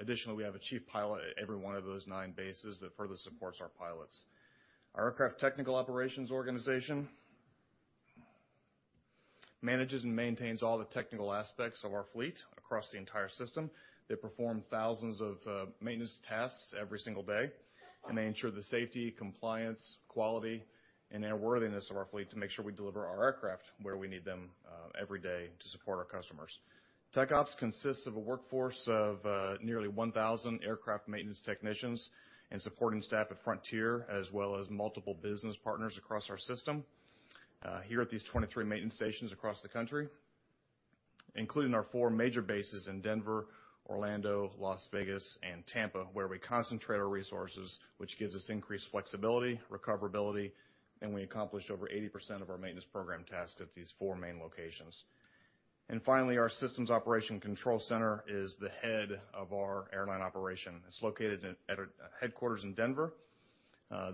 Additionally, we have a chief pilot at every one of those nine bases that further supports our pilots. Our Aircraft Technical Operations organization manages and maintains all the technical aspects of our fleet across the entire system. They perform thousands of maintenance tasks every single day. They ensure the safety, compliance, quality, and airworthiness of our fleet to make sure we deliver our aircraft where we need them every day to support our customers. Tech Ops consists of a workforce of nearly 1,000 aircraft maintenance technicians and supporting staff at Frontier, as well as multiple business partners across our system here at these 23 maintenance stations across the country, including our four major bases in Denver, Orlando, Las Vegas, and Tampa, where we concentrate our resources, which gives us increased flexibility, recoverability, and we accomplish over 80% of our maintenance program tasks at these four main locations. Finally, our Systems Operation Control Center is the head of our airline operation. It's located at a headquarters in Denver.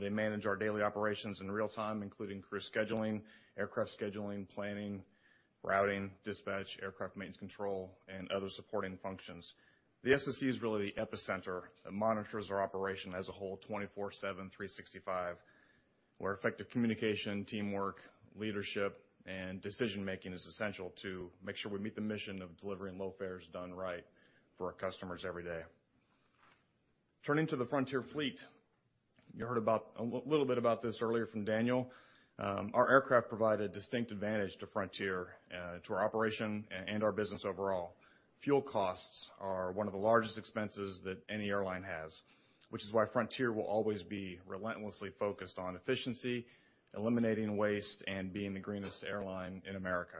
They manage our daily operations in real-time, including crew scheduling, aircraft scheduling, planning, routing, dispatch, aircraft maintenance control, and other supporting functions. The SOC is really the epicenter. It monitors our operation as a whole, 24/7, 365, where effective communication, teamwork, leadership, and decision-making is essential to make sure we meet the mission of delivering low fares done right for our customers every day. Turning to the Frontier fleet, you heard about a little bit about this earlier from Daniel. Our aircraft provide a distinct advantage to Frontier, to our operation and our business overall. Fuel costs are one of the largest expenses that any airline has, which is why Frontier will always be relentlessly focused on efficiency, eliminating waste, and being the greenest airline in America.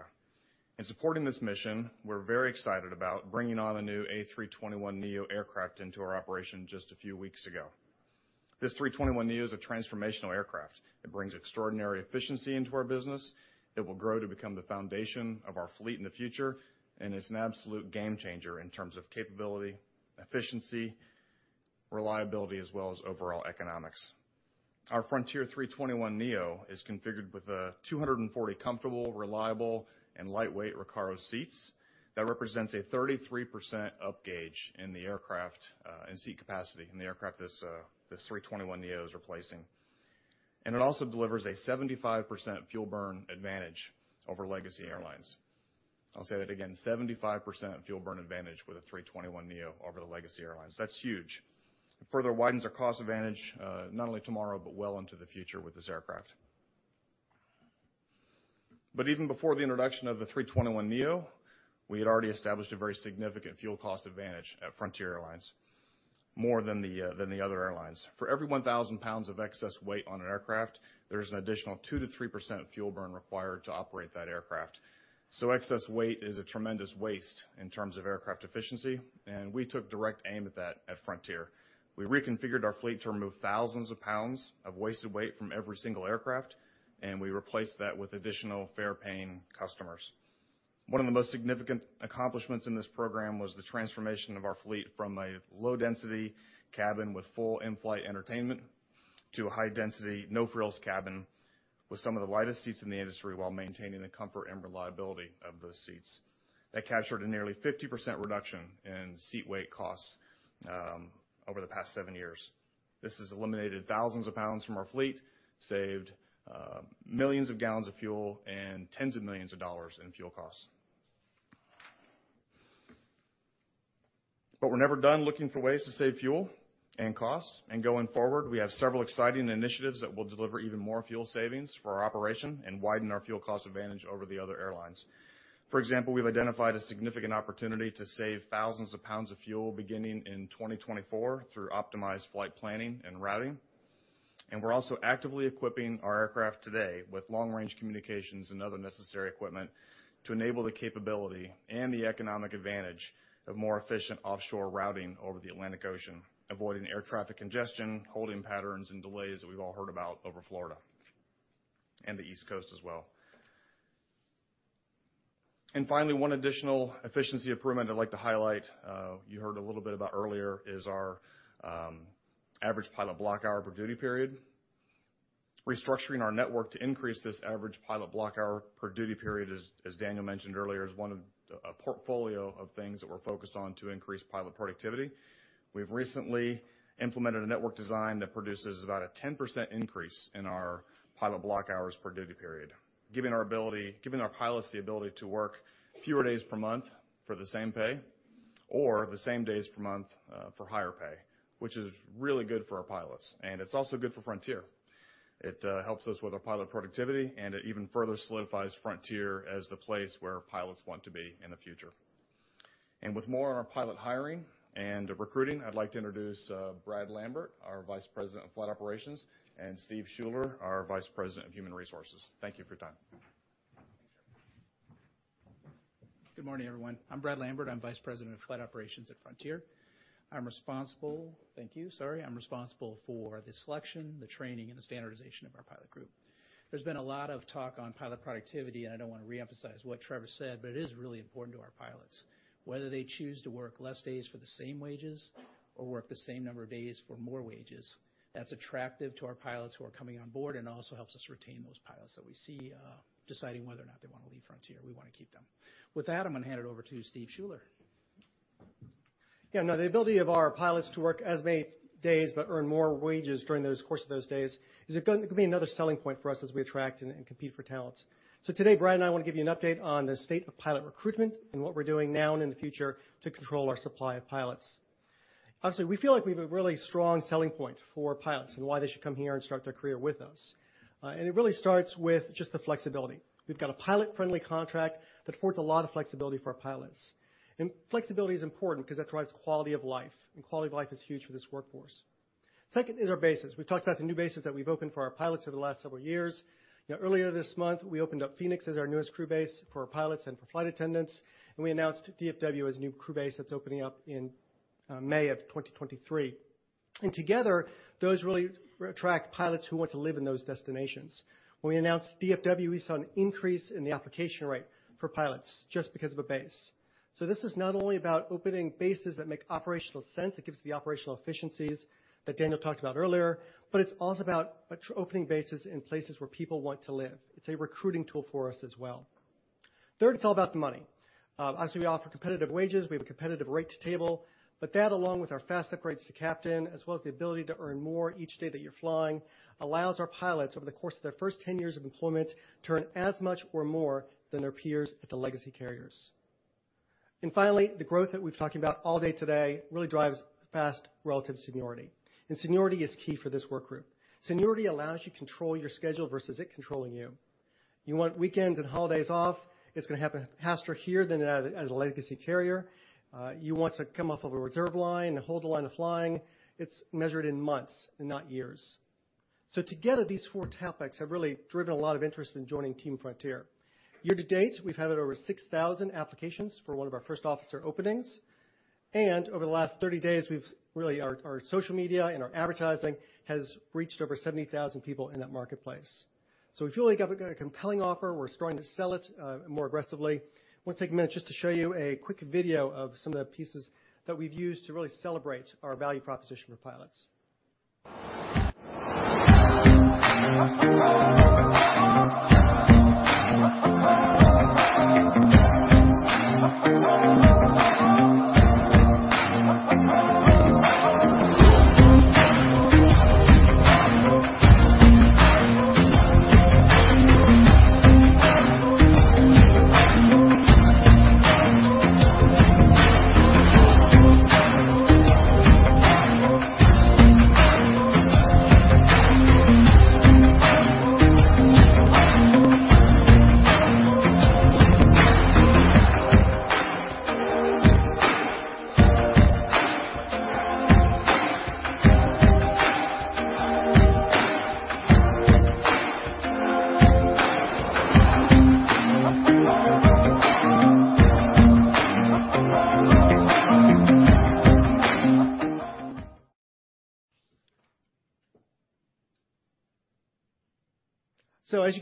In supporting this mission, we're very excited about bringing on a new A321neo aircraft into our operation just a few weeks ago. This A321neo is a transformational aircraft. It brings extraordinary efficiency into our business. It will grow to become the foundation of our fleet in the future, and it's an absolute game changer in terms of capability, efficiency, reliability, as well as overall economics. Our Frontier A321neo is configured with 240 comfortable, reliable, and lightweight Recaro seats. That represents a 33% up gauge in the aircraft in seat capacity in the aircraft this A321neo is replacing. It also delivers a 75% fuel burn advantage over legacy airlines. I'll say that again, 75% fuel burn advantage with a A321neo over the legacy airlines. That's huge. It further widens our cost advantage, not only tomorrow, but well into the future with this aircraft. Even before the introduction of the A321neo, we had already established a very significant fuel cost advantage at Frontier Airlines, more than the other airlines. For every 1,000 pounds of excess weight on an aircraft, there's an additional 2%-3% fuel burn required to operate that aircraft. Excess weight is a tremendous waste in terms of aircraft efficiency, and we took direct aim at that at Frontier. We reconfigured our fleet to remove thousands of pounds of wasted weight from every single aircraft, and we replaced that with additional fare-paying customers. One of the most significant accomplishments in this program was the transformation of our fleet from a low-density cabin with full in-flight entertainment to a high-density, no-frills cabin with some of the lightest seats in the industry while maintaining the comfort and reliability of those seats. That captured a nearly 50% reduction in seat weight costs over the past seven years. This has eliminated thousands of pounds from our fleet, saved millions of gallons of fuel and tens of millions of dollars in fuel costs. We're never done looking for ways to save fuel and costs. Going forward, we have several exciting initiatives that will deliver even more fuel savings for our operation and widen our fuel cost advantage over the other airlines. For example, we've identified a significant opportunity to save thousands of pounds of fuel beginning in 2024 through optimized flight planning and routing. We're also actively equipping our aircraft today with long-range communications and other necessary equipment to enable the capability and the economic advantage of more efficient offshore routing over the Atlantic Ocean, avoiding air traffic congestion, holding patterns, and delays that we've all heard about over Florida and the East Coast as well. Finally, one additional efficiency improvement I'd like to highlight, you heard a little bit about earlier, is our average pilot block hour per duty period. Restructuring our network to increase this average pilot block hour per duty period, as Daniel mentioned earlier, is one of a portfolio of things that we're focused on to increase pilot productivity. We've recently implemented a network design that produces about a 10% increase in our pilot block hours per duty period, giving our pilots the ability to work fewer days per month for the same pay, or the same days per month, for higher pay, which is really good for our pilots, and it's also good for Frontier. It helps us with our pilot productivity and it even further solidifies Frontier as the place where pilots want to be in the future. With more on our pilot hiring and recruiting, I'd like to introduce Brad Lambert, our Vice President of Flight Operations, and Steve Schuller, our Vice President of Human Resources. Thank you for your time. Good morning, everyone. I'm Brad Lambert. I'm Vice President of Flight Operations at Frontier. I'm responsible for the selection, the training, and the standardization of our pilot group. There's been a lot of talk on pilot productivity, and I don't wanna reemphasize what Trevor said, but it is really important to our pilots. Whether they choose to work less days for the same wages or work the same number of days for more wages, that's attractive to our pilots who are coming on board and also helps us retain those pilots that we see deciding whether or not they wanna leave Frontier. We wanna keep them. With that, I'm gonna hand it over to Steve Schuller. Yeah. Now, the ability of our pilots to work as many days but earn more wages during the course of those days is gonna be another selling point for us as we attract and compete for talent. Today, Brad and I want to give you an update on the state of pilot recruitment and what we're doing now and in the future to control our supply of pilots. Honestly, we feel like we have a really strong selling point for pilots and why they should come here and start their career with us. It really starts with just the flexibility. We've got a pilot-friendly contract that affords a lot of flexibility for our pilots. Flexibility is important because that provides quality of life, and quality of life is huge for this workforce. Second is our bases. We've talked about the new bases that we've opened for our pilots over the last several years. You know, earlier this month, we opened up Phoenix as our newest crew base for our pilots and for flight attendants, and we announced DFW as a new crew base that's opening up in May 2023. Together, those really attract pilots who want to live in those destinations. When we announced DFW, we saw an increase in the application rate for pilots just because of a base. This is not only about opening bases that make operational sense, it gives the operational efficiencies that Daniel talked about earlier, but it's also about opening bases in places where people want to live. It's a recruiting tool for us as well. Third, it's all about the money. Obviously, we offer competitive wages. We have a competitive rate table, but that along with our fast upgrades to captain, as well as the ability to earn more each day that you're flying, allows our pilots over the course of their first 10 years of employment to earn as much or more than their peers at the legacy carriers. Finally, the growth that we've been talking about all day today really drives fast relative seniority, and seniority is key for this work group. Seniority allows you to control your schedule versus it controlling you. You want weekends and holidays off, it's gonna happen faster here than at a legacy carrier. You want to come off of a reserve line and hold the line of flying, it's measured in months and not years. Together, these four topics have really driven a lot of interest in joining Team Frontier. Year to date, we've had over 6,000 applications for one of our first officer openings, and over the last 30 days, our social media and our advertising has reached over 70,000 people in that marketplace. We feel like we've got a compelling offer. We're starting to sell it more aggressively. Wanna take a minute just to show you a quick video of some of the pieces that we've used to really celebrate our value proposition for pilots. As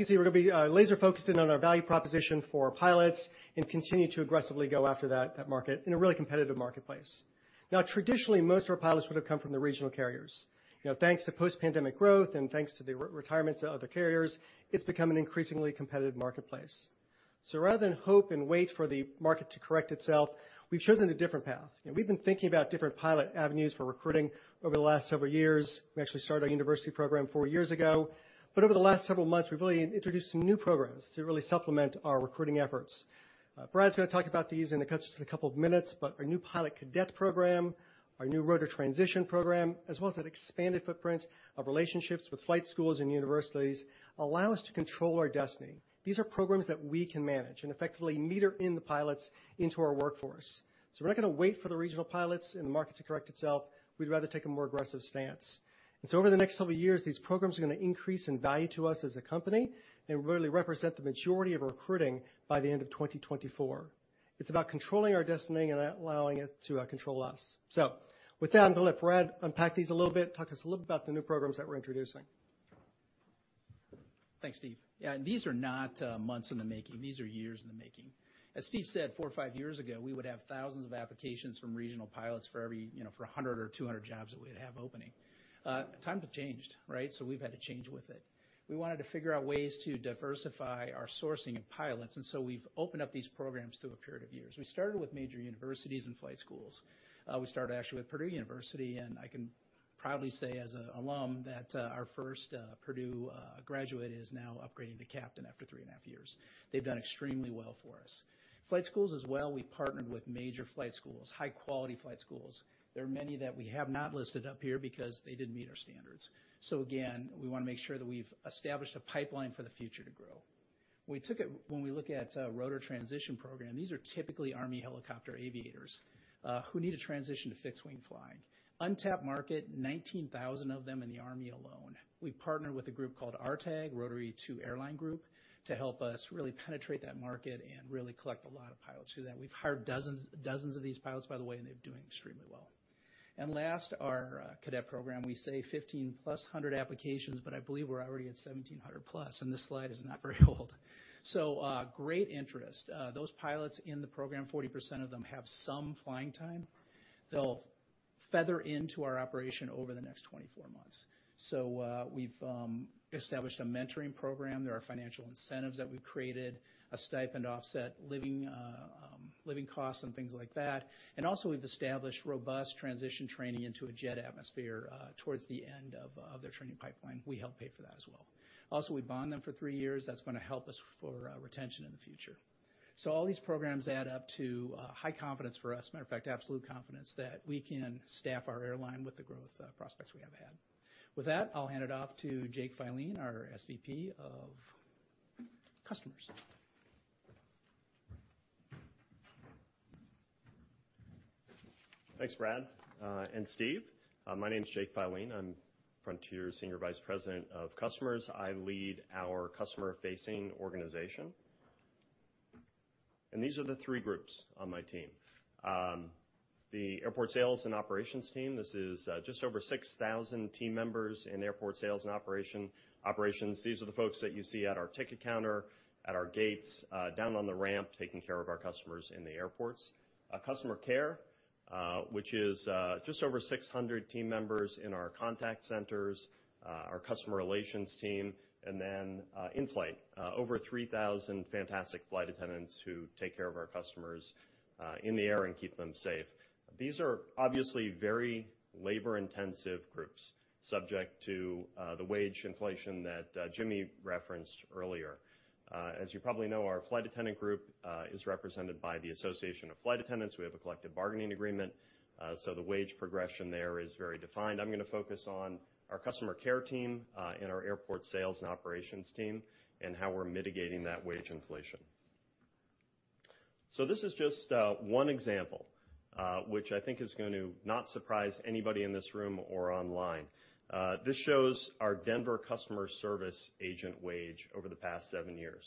you can see, we're gonna be laser-focused in on our value proposition for our pilots and continue to aggressively go after that market in a really competitive marketplace. Now, traditionally, most of our pilots would have come from the regional carriers. You know, thanks to post-pandemic growth and thanks to the re-retirements of other carriers, it's become an increasingly competitive marketplace. Rather than hope and wait for the market to correct itself, we've chosen a different path. You know, we've been thinking about different pilot avenues for recruiting over the last several years. We actually started our university program four years ago. Over the last several months, we've really introduced some new programs to really supplement our recruiting efforts. Brad's gonna talk about these and it takes just a couple of minutes, but our new pilot cadet program, our new rotor transition program, as well as that expanded footprint of relationships with flight schools and universities, allow us to control our destiny. These are programs that we can manage and effectively meter in the pilots into our workforce. We're not gonna wait for the regional pilots and the market to correct itself. We'd rather take a more aggressive stance. Over the next several years, these programs are gonna increase in value to us as a company, and really represent the majority of recruiting by the end of 2024. It's about controlling our destiny and not allowing it to control us. With that, I'm gonna let Brad unpack these a little bit, talk us a little bit about the new programs that we're introducing. Thanks, Steve. Yeah, these are not months in the making. These are years in the making. As Steve said, four or five years ago, we would have thousands of applications from regional pilots for every, you know, for 100 or 200 jobs that we'd have opening. Times have changed, right? We've had to change with it. We wanted to figure out ways to diversify our sourcing of pilots, and so we've opened up these programs through a period of years. We started with major universities and flight schools. We started actually with Purdue University, and I can proudly say as an alum that our first Purdue graduate is now upgrading to captain after 3.5 Years. They've done extremely well for us. Flight schools as well, we've partnered with major flight schools, high-quality flight schools. There are many that we have not listed up here because they didn't meet our standards. Again, we wanna make sure that we've established a pipeline for the future to grow. When we look at rotary transition program, these are typically Army helicopter aviators who need to transition to fixed-wing flying. Untapped market, 19,000 of them in the Army alone. We partner with a group called RTAG, Rotary to Airline Group, to help us really penetrate that market and really collect a lot of pilots through that. We've hired dozens of these pilots, by the way, and they're doing extremely well. Last, our cadet program. We say 1,500+ applications, but I believe we're already at 1,700+, and this slide is not very old. Great interest. Those pilots in the program, 40% of them have some flying time. They'll feather into our operation over the next 24 months. We've established a mentoring program. There are financial incentives that we've created, a stipend to offset living costs and things like that. Also, we've established robust transition training into a jet atmosphere, towards the end of their training pipeline. We help pay for that as well. Also, we bond them for three years. That's gonna help us for retention in the future. All these programs add up to high confidence for us. Matter of fact, absolute confidence that we can staff our airline with the growth prospects we have had. With that, I'll hand it off to Jake Filene, our SVP of Customers. Thanks, Brad, and Steve. My name is Jake Filene. I'm Frontier's Senior Vice President of Customers. I lead our customer-facing organization. These are the three groups on my team. The Airport Sales and Operations team. This is just over 6,000 team members in Airport Sales and Operations. These are the folks that you see at our ticket counter, at our gates, down on the ramp, taking care of our customers in the airports. Customer Care, which is just over 600 team members in our contact centers, our customer relations team, and then in flight. Over 3,000 fantastic flight attendants who take care of our customers in the air and keep them safe. These are obviously very labor-intensive groups, subject to the wage inflation that Jimmy referenced earlier. As you probably know, our flight attendant group is represented by the Association of Flight Attendants. We have a collective bargaining agreement, so the wage progression there is very defined. I'm gonna focus on our customer care team and our airport sales and operations team and how we're mitigating that wage inflation. This is just one example, which I think is going to not surprise anybody in this room or online. This shows our Denver customer service agent wage over the past seven years.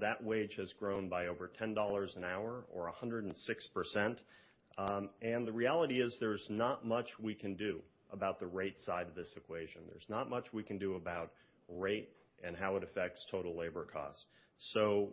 That wage has grown by over $10 an hour or 106%. The reality is there's not much we can do about the rate side of this equation. There's not much we can do about rate and how it affects total labor cost.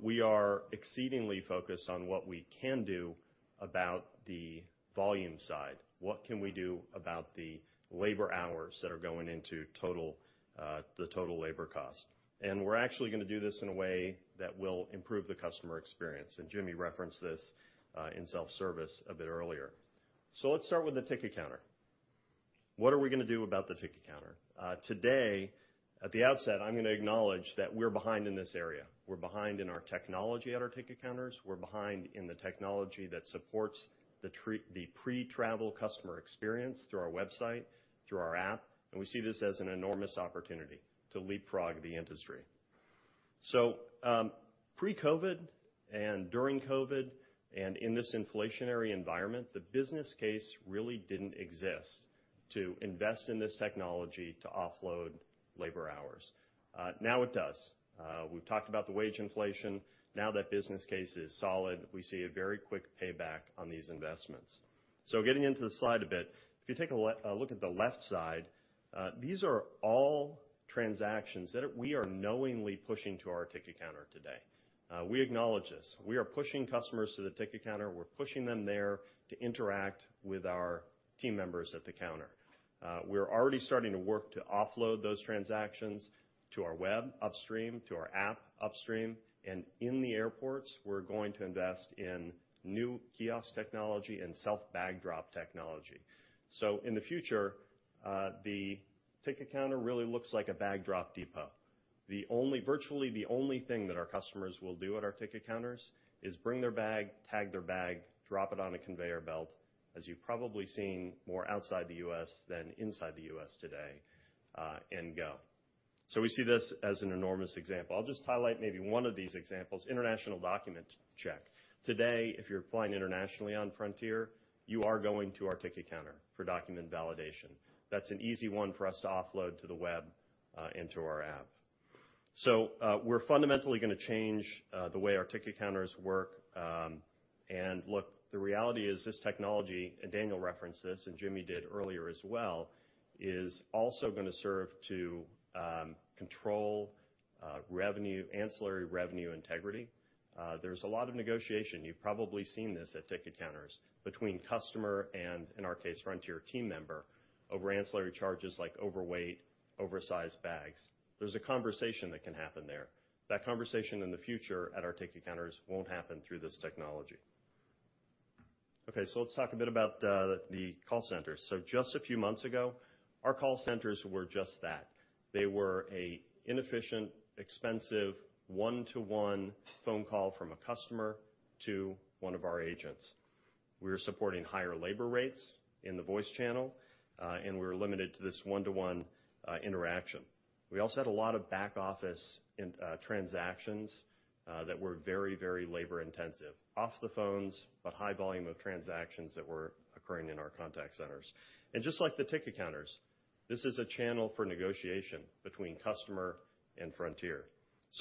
We are exceedingly focused on what we can do about the volume side. What can we do about the labor hours that are going into total, the total labor cost? We're actually gonna do this in a way that will improve the customer experience. Jimmy referenced this in self-service a bit earlier. Let's start with the ticket counter. What are we gonna do about the ticket counter? Today, at the outset, I'm gonna acknowledge that we're behind in this area. We're behind in our technology at our ticket counters. We're behind in the technology that supports the pre-travel customer experience through our website, through our app, and we see this as an enormous opportunity to leapfrog the industry. Pre-COVID and during COVID and in this inflationary environment, the business case really didn't exist to invest in this technology to offload labor hours. Now it does. We've talked about the wage inflation. Now that business case is solid, we see a very quick payback on these investments. Getting into the slide a bit, if you take a look at the left side, these are all transactions that we are knowingly pushing to our ticket counter today. We acknowledge this. We are pushing customers to the ticket counter. We're pushing them there to interact with our team members at the counter. We're already starting to work to offload those transactions to our web upstream, to our app upstream, and in the airports, we're going to invest in new kiosk technology and self bag drop technology. In the future, the ticket counter really looks like a bag drop depot. Virtually the only thing that our customers will do at our ticket counters is bring their bag, tag their bag, drop it on a conveyor belt, as you've probably seen more outside the U.S. than inside the U.S. today, and go. We see this as an enormous example. I'll just highlight maybe one of these examples, international document check. Today, if you're flying internationally on Frontier, you are going to our ticket counter for document validation. That's an easy one for us to offload to the web, into our app. We're fundamentally gonna change the way our ticket counters work. Look, the reality is this technology, and Daniel referenced this, and Jimmy did earlier as well. It is also gonna serve to control revenue, ancillary revenue integrity. There's a lot of negotiation, you've probably seen this at ticket counters, between customer and, in our case, Frontier team member, over ancillary charges like overweight, oversized bags. There's a conversation that can happen there. That conversation in the future at our ticket counters won't happen through this technology. Okay, let's talk a bit about the call center. Just a few months ago, our call centers were just that. They were an inefficient, expensive one-to-one phone call from a customer to one of our agents. We were supporting higher labor rates in the voice channel, and we were limited to this one-to-one interaction. We also had a lot of back office and transactions that were very, very labor intensive. Off the phones, but high volume of transactions that were occurring in our contact centers. Just like the ticket counters, this is a channel for negotiation between customer and Frontier.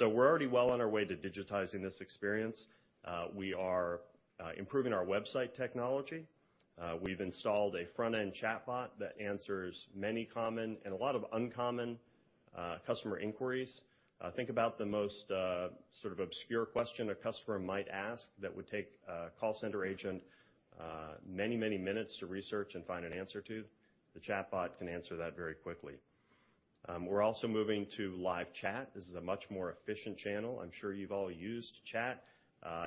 We're already well on our way to digitizing this experience. We are improving our website technology. We've installed a front-end chatbot that answers many common, and a lot of uncommon, customer inquiries. Think about the most sort of obscure question a customer might ask that would take a call center agent many, many minutes to research and find an answer to. The chatbot can answer that very quickly. We're also moving to live chat. This is a much more efficient channel. I'm sure you've all used chat.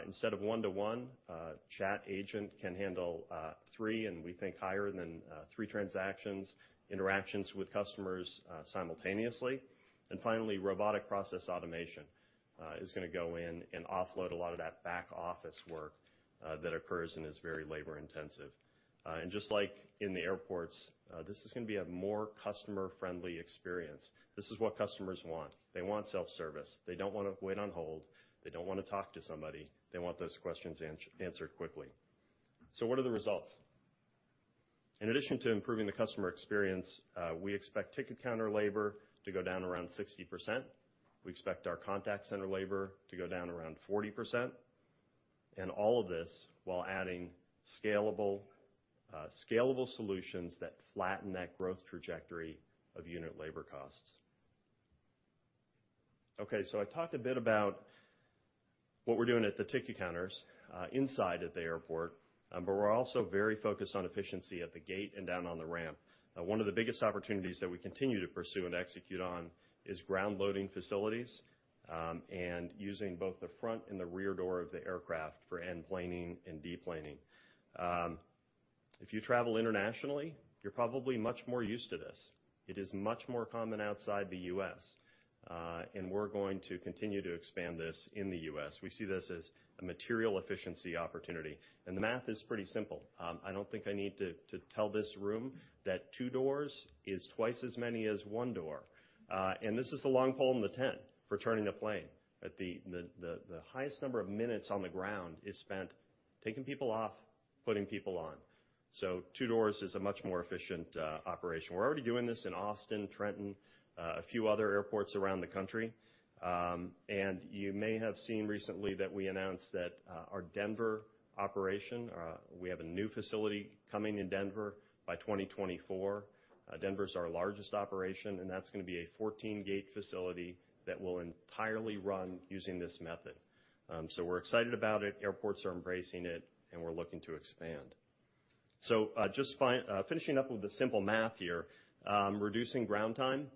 Instead of one-to-one, a chat agent can handle three, and we think higher than three transactions, interactions with customers, simultaneously. Finally, robotic process automation is gonna go in and offload a lot of that back office work that occurs and is very labor intensive. Just like in the airports, this is gonna be a more customer-friendly experience. This is what customers want. They want self-service. They don't wanna wait on hold. They don't wanna talk to somebody. They want those questions answered quickly. What are the results? In addition to improving the customer experience, we expect ticket counter labor to go down around 60%. We expect our contact center labor to go down around 40%. All of this while adding scalable solutions that flatten that growth trajectory of unit labor costs. Okay, so I talked a bit about what we're doing at the ticket counters, inside at the airport, but we're also very focused on efficiency at the gate and down on the ramp. One of the biggest opportunities that we continue to pursue and execute on is ground loading facilities, and using both the front and the rear door of the aircraft for enplaning and deplaning. If you travel internationally, you're probably much more used to this. It is much more common outside the U.S., and we're going to continue to expand this in the U.S. We see this as a material efficiency opportunity. The math is pretty simple. I don't think I need to tell this room that two doors is twice as many as one door. This is the long pole in the tent for turning a plane, that the highest number of minutes on the ground is spent taking people off, putting people on. Two doors is a much more efficient operation. We're already doing this in Austin, Trenton, a few other airports around the country. You may have seen recently that we announced that our Denver operation, we have a new facility coming in Denver by 2024. Denver is our largest operation, and that's gonna be a 14-gate facility that will entirely run using this method. We're excited about it, airports are embracing it, and we're looking to expand. Just finishing up with the simple math here, reducing ground time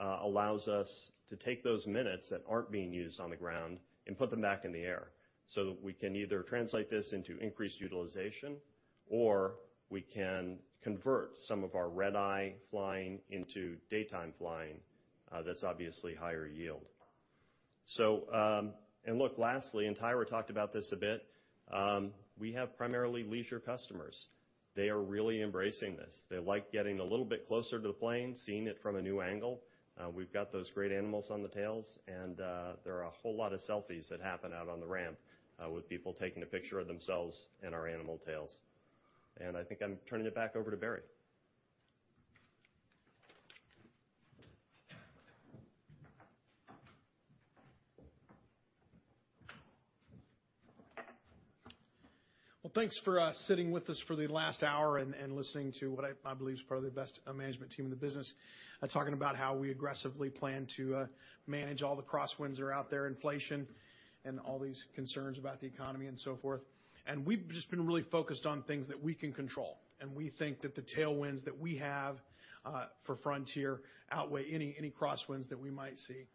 allows us to take those minutes that aren't being used on the ground and put them back in the air. We can either translate this into increased utilization or we can convert some of our red-eye flying into daytime flying, that's obviously higher yield. Look, lastly, Tyra talked about this a bit, we have primarily leisure customers. They are really embracing this. They like getting a little bit closer to the plane, seeing it from a new angle. We've got those great animals on the tails, and there are a whole lot of selfies that happen out on the ramp, with people taking a picture of themselves and our animal tails. I think I'm turning it back over to Barry. Well, thanks for sitting with us for the last hour and listening to what I believe is probably the best management team in the business, talking about how we aggressively plan to manage all the crosswinds that are out there, inflation and all these concerns about the economy and so forth. We've just been really focused on things that we can control, and we think that the tailwinds that we have for Frontier outweigh any crosswinds that we might see.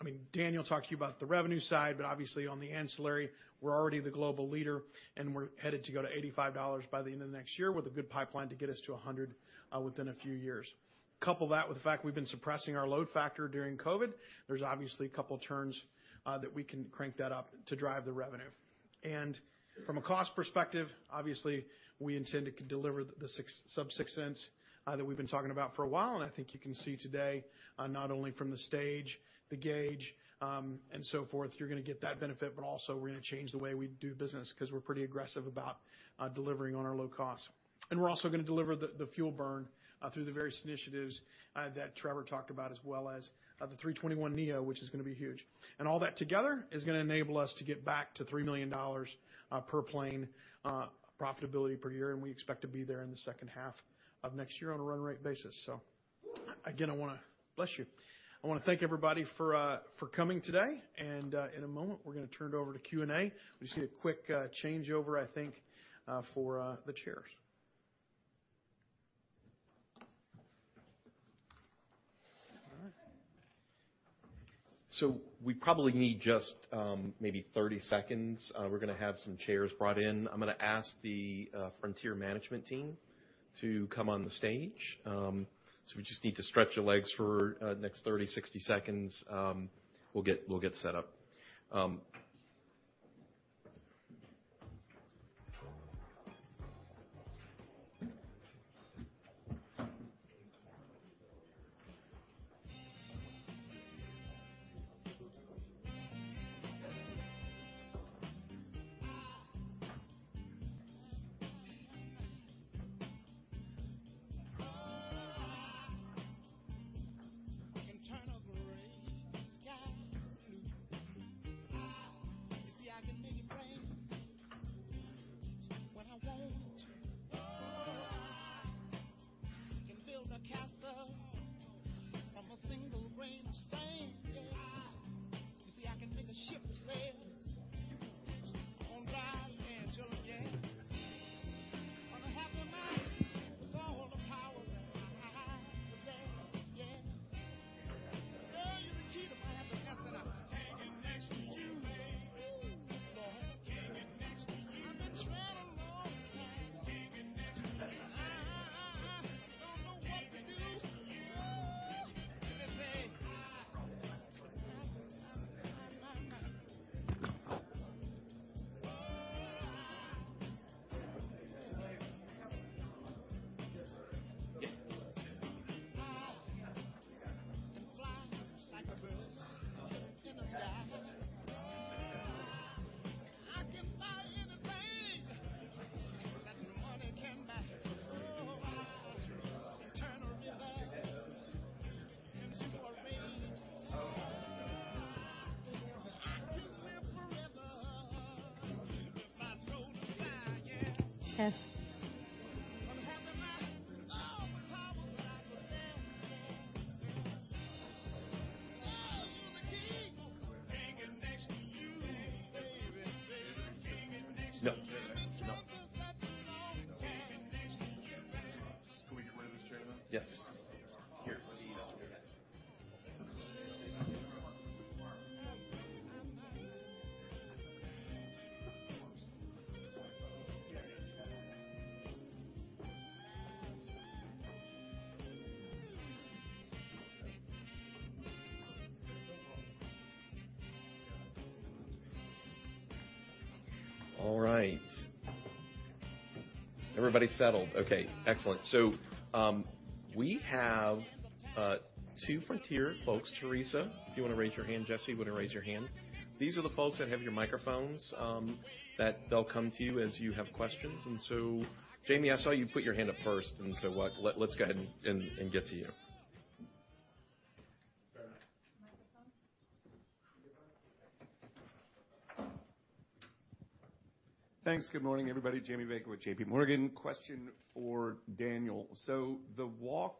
I mean, Daniel talked to you about the revenue side, but obviously on the ancillary, we're already the global leader, and we're headed to go to $85 by the end of next year with a good pipeline to get us to $100 within a few years. Couple that with the fact we've been suppressing our load factor during COVID. There's obviously a couple turns that we can crank that up to drive the revenue. From a cost perspective, obviously, we intend to deliver the sub $0.06 that we've been talking about for a while. I think you can see today, not only from the stage, the gauge, and so forth, you're gonna get that benefit. But also we're gonna change the way we do business because we're pretty aggressive about delivering on our low costs. We're also gonna deliver the fuel burn through the various initiatives that Trevor talked about, as well as the A321neo, which is gonna be huge. All that together is gonna enable us to get back to $3 million per plane profitability per year, and we expect to be there in the second half of next year on a run rate basis. Again, Bless you. I wanna thank everybody for coming today. In a moment, we're gonna turn it over to Q&A. We just need a quick changeover, I think, for the chairs. We probably need just maybe 30 seconds. We're gonna have some chairs brought in. I'm gonna ask the Frontier management team to come on the stage. We just need to stretch your legs for the next 30-60 seconds. We'll get set up. Can we get rid of these chairs now? Yes. Here, let me help you. All right. Everybody settled. Okay, excellent. We have two Frontier folks. Theresa, if you wanna raise your hand. Jesse, if you wanna raise your hand. These are the folks that have your microphones, that they'll come to you as you have questions. Jamie, I saw you put your hand up first, and so let's go ahead and get to you. Microphone. Thanks. Good morning, everybody. Jamie Baker with JPMorgan. Question for Daniel. The walk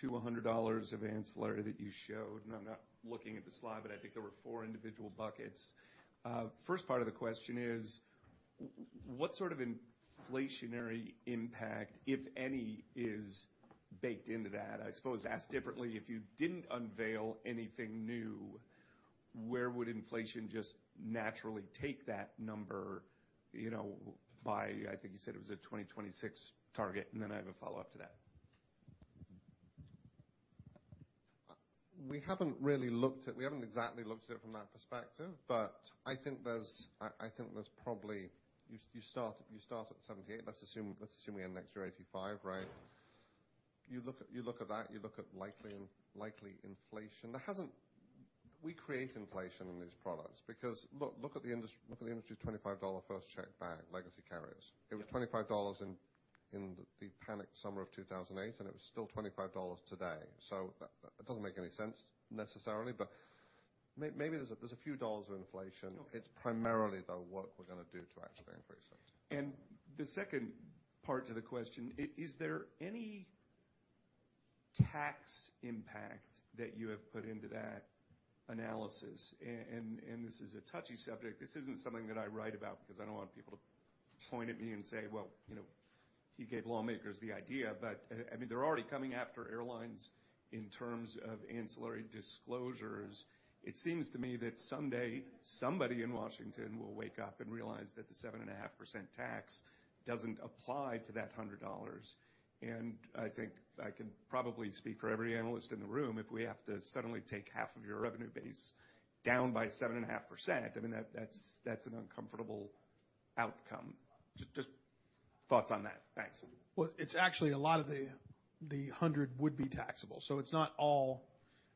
to $100 of ancillary that you showed, and I'm not looking at the slide, but I think there were four individual buckets. First part of the question is what sort of inflationary impact, if any, is baked into that? I suppose asked differently, if you didn't unveil anything new, where would inflation just naturally take that number, you know, by I think you said it was a 2026 target? Then I have a follow-up to that. We haven't exactly looked at it from that perspective, but I think there's, I think there's probably. You start at 78. Let's assume we end next year at 85, right? You look at that. You look at likely inflation. We create inflation in these products because look at the industry's $25 first checked bag, legacy carriers. It was $25 in the panic summer of 2008, and it was still $25 today. So that doesn't make any sense necessarily, but maybe there's a few dollars of inflation. It's primarily the work we're gonna do to actually increase it. The second part to the question. Is there any tax impact that you have put into that analysis? And this is a touchy subject. This isn't something that I write about because I don't want people to point at me and say, "Well, you know, he gave lawmakers the idea." I mean, they're already coming after airlines in terms of ancillary disclosures. It seems to me that someday somebody in Washington will wake up and realize that the 7.5% tax doesn't apply to that $100. I think I can probably speak for every analyst in the room if we have to suddenly take half of your revenue base down by 7.5%, I mean, that's an uncomfortable outcome. Just thoughts on that. Thanks. Well, it's actually a lot of the $100 would be taxable, so it's not all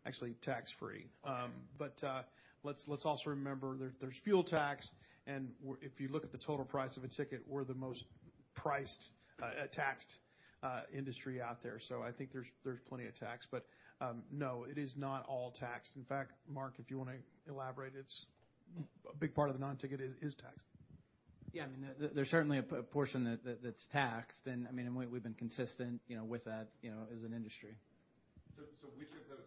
actually tax-free. Let's also remember there's fuel tax, and if you look at the total price of a ticket, we're the most highly taxed industry out there. I think there's plenty of tax. No, it is not all taxed. In fact, Mark, if you wanna elaborate, it's a big part of the non-ticket is taxed. Yeah. I mean, there's certainly a portion that's taxed. I mean, we've been consistent, you know, with that, you know, as an industry. Which of those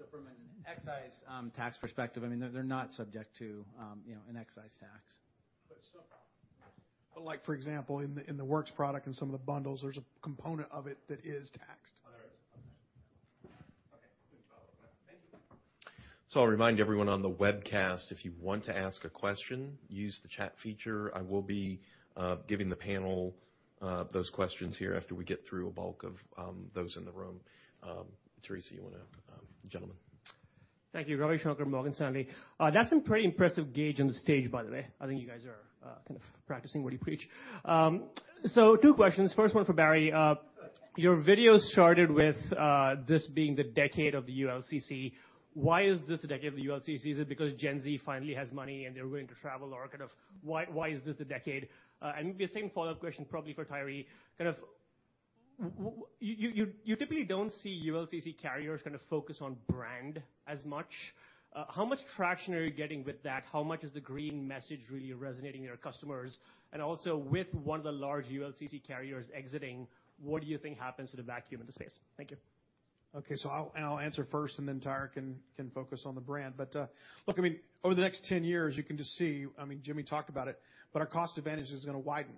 fees then, just educate me, which of the ancillaries are subject to an excise tax now? From an excise tax perspective, I mean, they're not subject to, you know, an excise tax. Like for example, in the the WORKS product and some of the bundles, there's a component of it that is taxed. All right. Okay. Good follow-up. Thank you. I'll remind everyone on the webcast, if you want to ask a question, use the chat feature. I will be giving the panel those questions here after we get through a bulk of those in the room. Teresa, you wanna. The gentleman. Thank you. Ravi Shanker, Morgan Stanley. That's some pretty impressive guys on the stage, by the way. I think you guys are kind of practicing what you preach. Two questions. First one for Barry. Your video started with this being the decade of the ULCC. Why is this the decade of the ULCC? Is it because Gen Z finally has money and they're willing to travel? Or kind of why is this the decade? And the same follow-up question probably for Tyra. Kind of what you typically don't see ULCC carriers kind of focus on brand as much. How much traction are you getting with that? How much is the green message really resonating with your customers? And also with one of the large ULCC carriers exiting, what do you think happens to the vacuum in the space? Thank you. Okay. I'll answer first and then Tyra can focus on the brand. But look, I mean, over the next 10 years you can just see, I mean, Jimmy talked about it, but our cost advantage is gonna widen.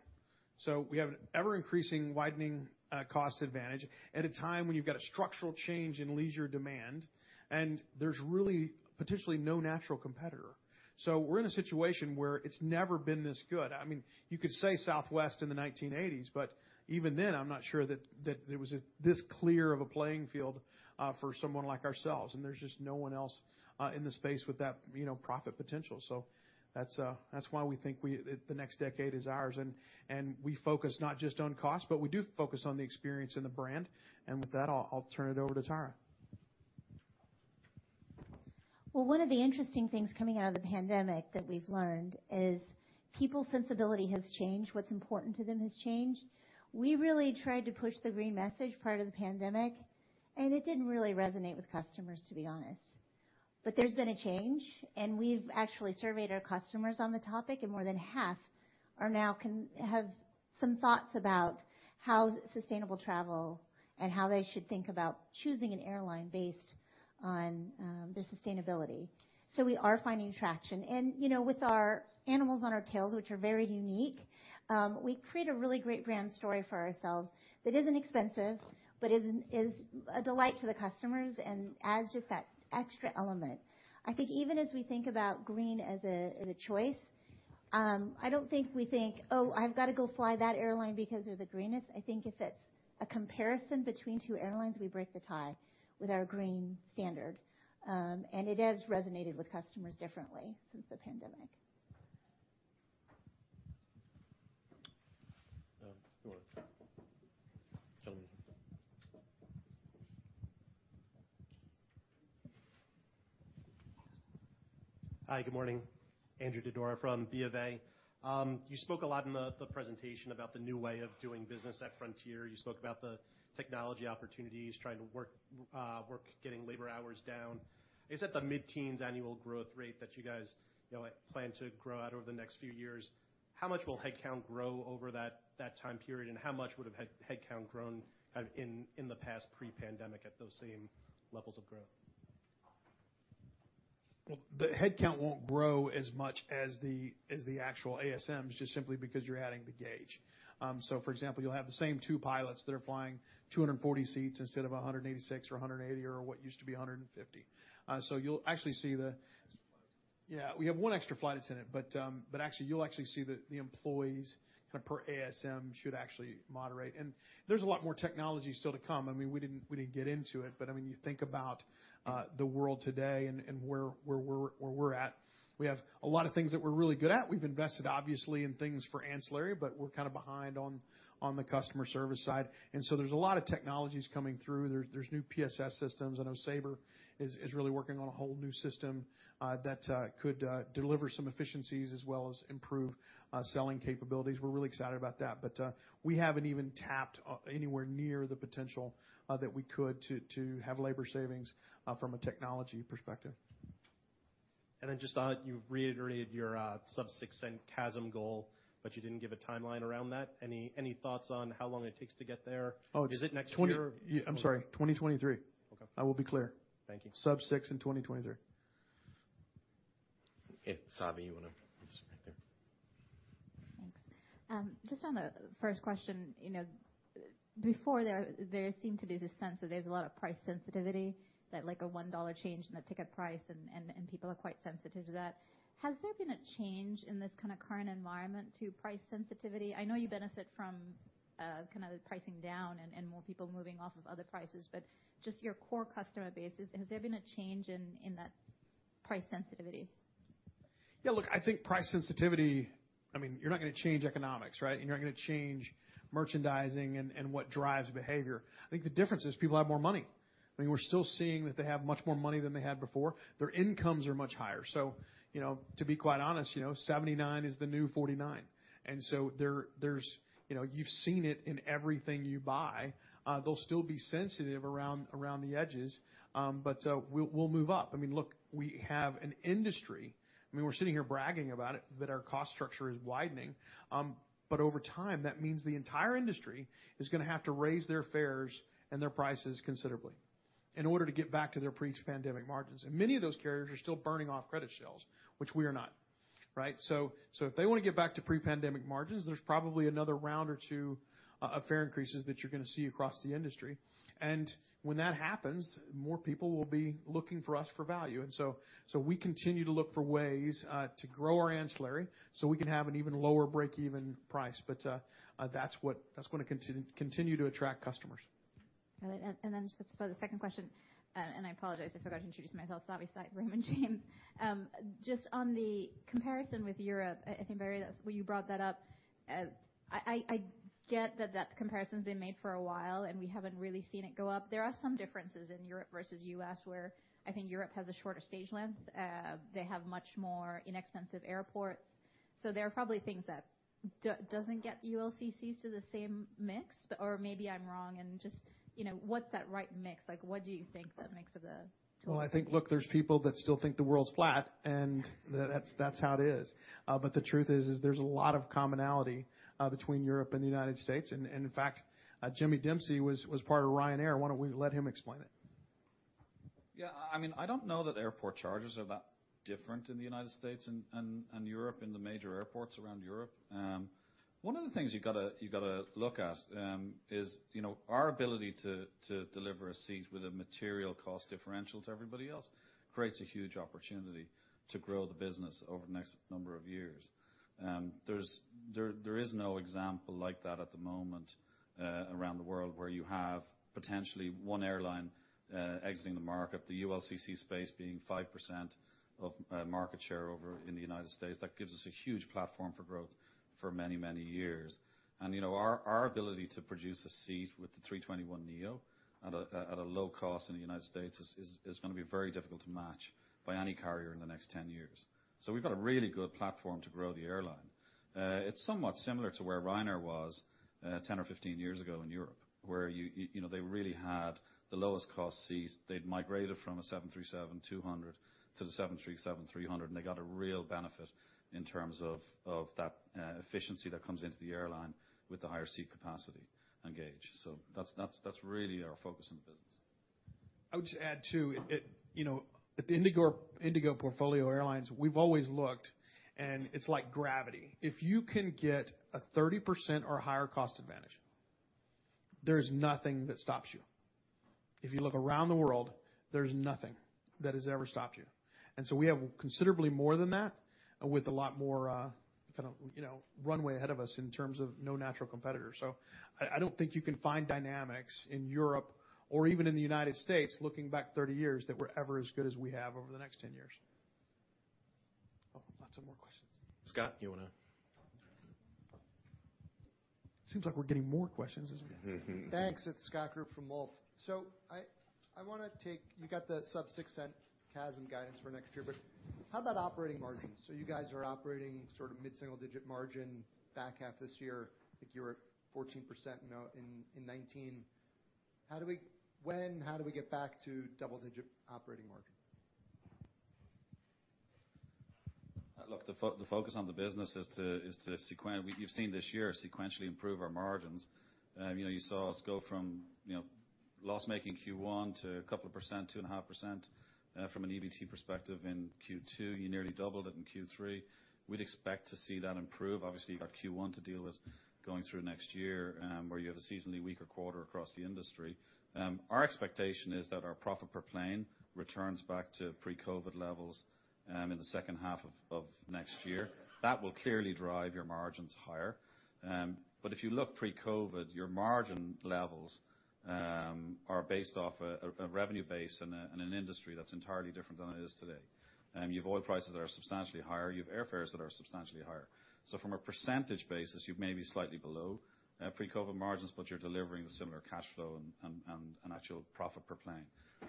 We have an ever-increasing widening cost advantage at a time when you've got a structural change in leisure demand, and there's really potentially no natural competitor. We're in a situation where it's never been this good. I mean, you could say Southwest in the 1980s, but even then, I'm not sure that there was this clear of a playing field for someone like ourselves, and there's just no one else in the space with that, you know, profit potential. That's why we think the next decade is ours. We focus not just on cost, but we do focus on the experience and the brand. With that, I'll turn it over to Tyra. Well, one of the interesting things coming out of the pandemic that we've learned is people's sensibility has changed. What's important to them has changed. We really tried to push the green message prior to the pandemic, and it didn't really resonate with customers, to be honest. There's been a change, and we've actually surveyed our customers on the topic, and more than half now have some thoughts about how sustainable travel and how they should think about choosing an airline based on, their sustainability. We are finding traction. You know, with our animals on our tails, which are very unique, we create a really great brand story for ourselves that isn't expensive, but is a delight to the customers and adds just that extra element. I think even as we think about green as a choice, I don't think we think, "Oh, I've gotta go fly that airline because they're the greenest." I think if it's a comparison between two airlines, we break the tie with our green standard. It has resonated with customers differently since the pandemic. Sure. Gentlemen. Hi, good morning. Andrew Didora from BofA. You spoke a lot in the presentation about the new way of doing business at Frontier. You spoke about the technology opportunities, trying to work getting labor hours down. Is that the mid-teens annual growth rate that you guys, you know, plan to grow at over the next few years? How much will headcount grow over that time period, and how much would have headcount grown kind of in the past pre-pandemic at those same levels of growth? Well, the headcount won't grow as much as the actual ASMs, just simply because you're adding the gauge. For example, you'll have the same two pilots that are flying 240 seats instead of 186 or 180 or what used to be 150. You'll actually see the Extra pilot. Yeah. We have one extra flight attendant, but actually, you'll actually see the employees kind of per ASM should actually moderate. There's a lot more technology still to come. I mean, we didn't get into it, but I mean, you think about the world today and where we're at, we have a lot of things that we're really good at. We've invested obviously in things for ancillary, but we're kind of behind on the customer service side. There's a lot of technologies coming through. There's new PSS systems. I know Sabre is really working on a whole new system that could deliver some efficiencies as well as improve selling capabilities. We're really excited about that. We haven't even tapped anywhere near the potential that we could do to have labor savings from a technology perspective. Just on it, you've reiterated your sub $0.06 CASM goal, but you didn't give a timeline around that. Any thoughts on how long it takes to get there? Oh. Is it next year? I'm sorry, 2023. Okay. I will be clear. Thank you. Sub $0.06 In 2023. Okay. Savi, you wanna? Yes, right there. Thanks. Just on the first question, you know, before there seemed to be this sense that there's a lot of price sensitivity, that like a $1 change in the ticket price and people are quite sensitive to that. Has there been a change in this kinda current environment to price sensitivity? I know you benefit from kind of pricing down and more people moving off of other prices, but just your core customer base, has there been a change in that price sensitivity? Yeah, look, I think price sensitivity. I mean, you're not gonna change economics, right? You're not gonna change merchandising and what drives behavior. I think the difference is people have more money. I mean, we're still seeing that they have much more money than they had before. Their incomes are much higher. You know, to be quite honest, you know, 79 is the new 49. You've seen it in everything you buy. They'll still be sensitive around the edges, but we'll move up. I mean, look, we have an industry. I mean, we're sitting here bragging about it, that our cost structure is widening. Over time, that means the entire industry is gonna have to raise their fares and their prices considerably in order to get back to their pre-pandemic margins. Many of those carriers are still burning off credit sales, which we are not. Right? If they want to get back to pre-pandemic margins, there's probably another round or two of fare increases that you're gonna see across the industry. When that happens, more people will be looking for us for value. We continue to look for ways to grow our ancillary so we can have an even lower breakeven price. That's gonna continue to attract customers. Got it. Just for the second question, I apologize, I forgot to introduce myself. Savi Syth, Raymond James. Just on the comparison with Europe, I think, Barry, that's where you brought that up. I get that comparison's been made for a while, and we haven't really seen it go up. There are some differences in Europe versus U.S., where I think Europe has a shorter stage length. They have much more inexpensive airports. So there are probably things that doesn't get ULCCs to the same mix, but or maybe I'm wrong and just, you know, what's that right mix? Like, what do you think that makes it the- Well, I think, look, there's people that still think the world's flat, and that's how it is. But the truth is, there's a lot of commonality between Europe and the United States. In fact, Jimmy Dempsey was part of Ryanair. Why don't we let him explain it? Yeah. I mean, I don't know that airport charges are that different in the United States and Europe, in the major airports around Europe. One of the things you gotta look at, you know, is our ability to deliver a seat with a material cost differential to everybody else creates a huge opportunity to grow the business over the next number of years. There is no example like that at the moment around the world, where you have potentially one airline exiting the market, the ULCC space being 5% of market share over in the United States. That gives us a huge platform for growth for many years. You know, our ability to produce a seat with the A321neo at a low cost in the United States is gonna be very difficult to match by any carrier in the next 10 years. We've got a really good platform to grow the airline. It's somewhat similar to where Ryanair was ten or 15 years ago in Europe, where you know, they really had the lowest cost seat. They'd migrated from a 737-200 to the 737-300, and they got a real benefit in terms of that efficiency that comes into the airline with the higher seat capacity and gauge. That's really our focus in the business. I would just add, too, you know, at the Indigo portfolio airlines, we've always looked, and it's like gravity. If you can get a 30% or higher cost advantage, there's nothing that stops you. If you look around the world, there's nothing that has ever stopped you. We have considerably more than that with a lot more, kinda, you know, runway ahead of us in terms of no natural competitors. I don't think you can find dynamics in Europe or even in the United States looking back 30 years that were ever as good as we have over the next 10 years. Oh, lots more questions. Scott, you wanna Seems like we're getting more questions. Thanks. It's Scott Group from Wolfe Research. You got the sub $0.06 CASM guidance for next year, but how about operating margins? You guys are operating sort of mid-single-digit margin back half this year. I think you were at 14%, you know, in 2019. When/how do we get back to double-digit operating margin? The focus on the business is to sequentially improve our margins. You've seen this year sequentially improve our margins. You know, you saw us go from loss-making Q1 to a 2%, 2.5%, from an EBT perspective in Q2. You nearly doubled it in Q3. We'd expect to see that improve. Obviously, you've got Q1 to deal with going through next year, where you have a seasonally weaker quarter across the industry. Our expectation is that our profit per plane returns back to pre-COVID levels in the second half of next year. That will clearly drive your margins higher. If you look pre-COVID, your margin levels are based off a revenue base and an industry that's entirely different than it is today. You have oil prices that are substantially higher. You have airfares that are substantially higher. From a percentage basis, you may be slightly below pre-COVID margins, but you're delivering the similar cash flow and actual profit per plane.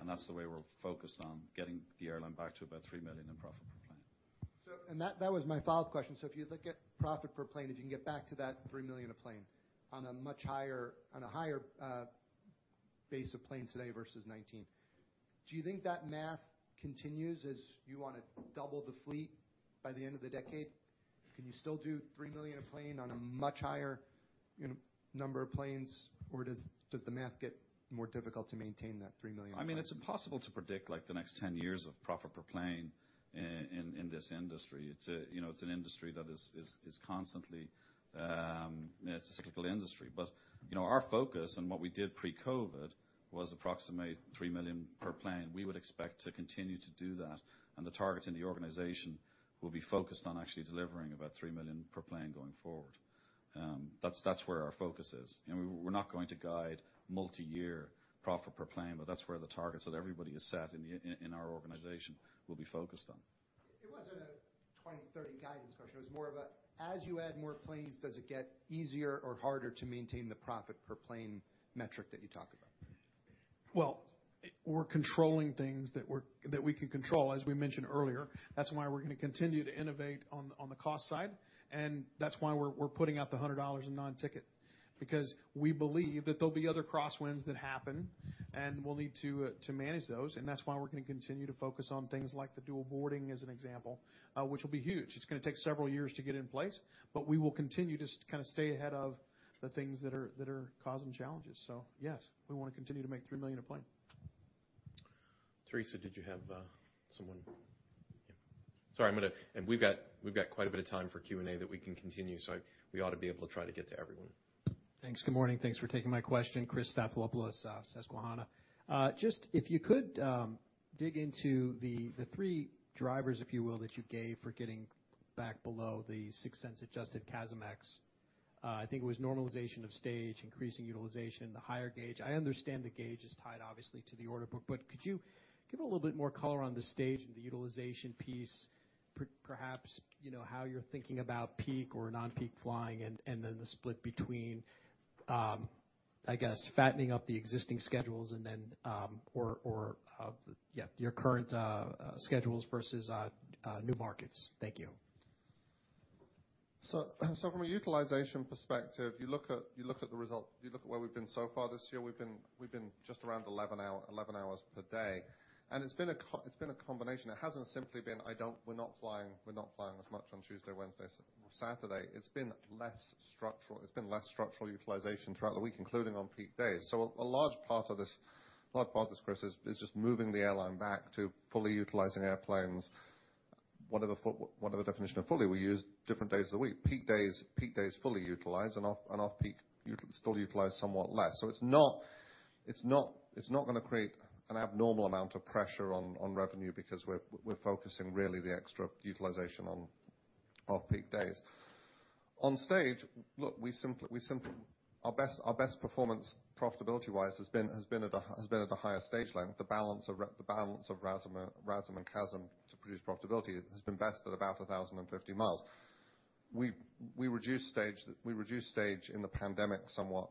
That's the way we're focused on getting the airline back to about $3 million in profit per plane. That was my follow-up question. If you look at profit per plane, if you can get back to that $3 million a plane on a much higher base of planes today versus 2019, do you think that math continues as you wanna double the fleet by the end of the decade? Can you still do $3 million a plane on a much higher number of planes, or does the math get more difficult to maintain that $3 million a plane? I mean, it's impossible to predict, like, the next 10 years of profit per plane in this industry. You know, it's a cyclical industry. You know, our focus and what we did pre-COVID was approximately $3 million per plane. We would expect to continue to do that, and the targets in the organization will be focused on actually delivering about $3 million per plane going forward. That's where our focus is. You know, we're not going to guide multiyear profit per plane, but that's where the targets that everybody has set in our organization will be focused on. It wasn't a 2030 guidance question. It was more of a, as you add more planes, does it get easier or harder to maintain the profit per plane metric that you talk about? Well, we're controlling things that we can control, as we mentioned earlier. That's why we're gonna continue to innovate on the cost side, and that's why we're putting out the $100 in non-ticket because we believe that there'll be other crosswinds that happen, and we'll need to manage those. That's why we're gonna continue to focus on things like the dual boarding, as an example, which will be huge. It's gonna take several years to get in place, but we will continue to kind of stay ahead of the things that are causing challenges. Yes, we wanna continue to make $3 million a plane. Teresa, did you have someone? Yeah. We've got quite a bit of time for Q&A that we can continue, so we ought to be able to try to get to everyone. Thanks. Good morning. Thanks for taking my question. Chris Stathoulopoulos, Susquehanna. Just if you could dig into the three drivers, if you will, that you gave for getting back below the $0.06 adjusted CASM ex. I think it was normalization of stage, increasing utilization, the higher gauge. I understand the gauge is tied obviously to the order book, but could you give a little bit more color on the stage and the utilization piece, perhaps, you know, how you're thinking about peak or non-peak flying and then the split between, I guess, fattening up the existing schedules and then or yeah, your current schedules versus new markets. Thank you. From a utilization perspective, you look at the result, you look at where we've been so far this year. We've been just around 11 hours per day. It's been a combination. It hasn't simply been. We're not flying as much on Tuesday, Wednesday, Saturday. It's been less structural utilization throughout the week, including on peak days. A large part of this, Chris, is just moving the airline back to fully utilizing airplanes. Whatever definition of fully, we use different days of the week. Peak days fully utilized, and off-peak still utilized somewhat less. It's not gonna create an abnormal amount of pressure on revenue because we're focusing really the extra utilization on off-peak days. Our best performance profitability-wise has been at a higher stage length. The balance of RASM and CASM to produce profitability has been best at about 1,050 mi. We reduced stage in the pandemic somewhat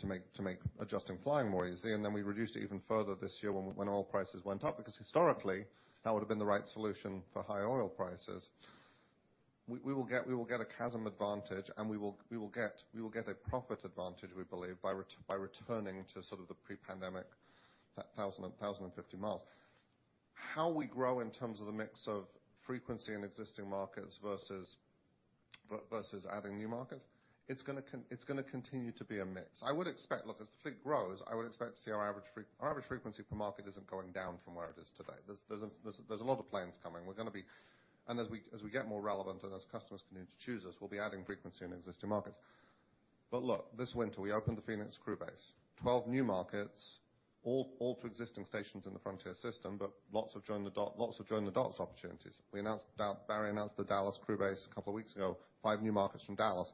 to make adjusting flying more easy, and then we reduced it even further this year when oil prices went up, because historically, that would've been the right solution for higher oil prices. We will get a CASM advantage, and we will get a profit advantage, we believe, by returning to sort of the pre-pandemic 1,050 mi. How we grow in terms of the mix of frequency in existing markets versus adding new markets, it's gonna continue to be a mix. I would expect, look, as the fleet grows, I would expect to see our average frequency per market isn't going down from where it is today. There's a lot of planes coming. As we get more relevant and as customers continue to choose us, we'll be adding frequency in existing markets. But look, this winter, we opened the Phoenix crew base. 12 new markets, all to existing stations in the Frontier system, but lots of join the dots opportunities. Barry announced the Dallas crew base a couple of weeks ago, 5 new markets from Dallas,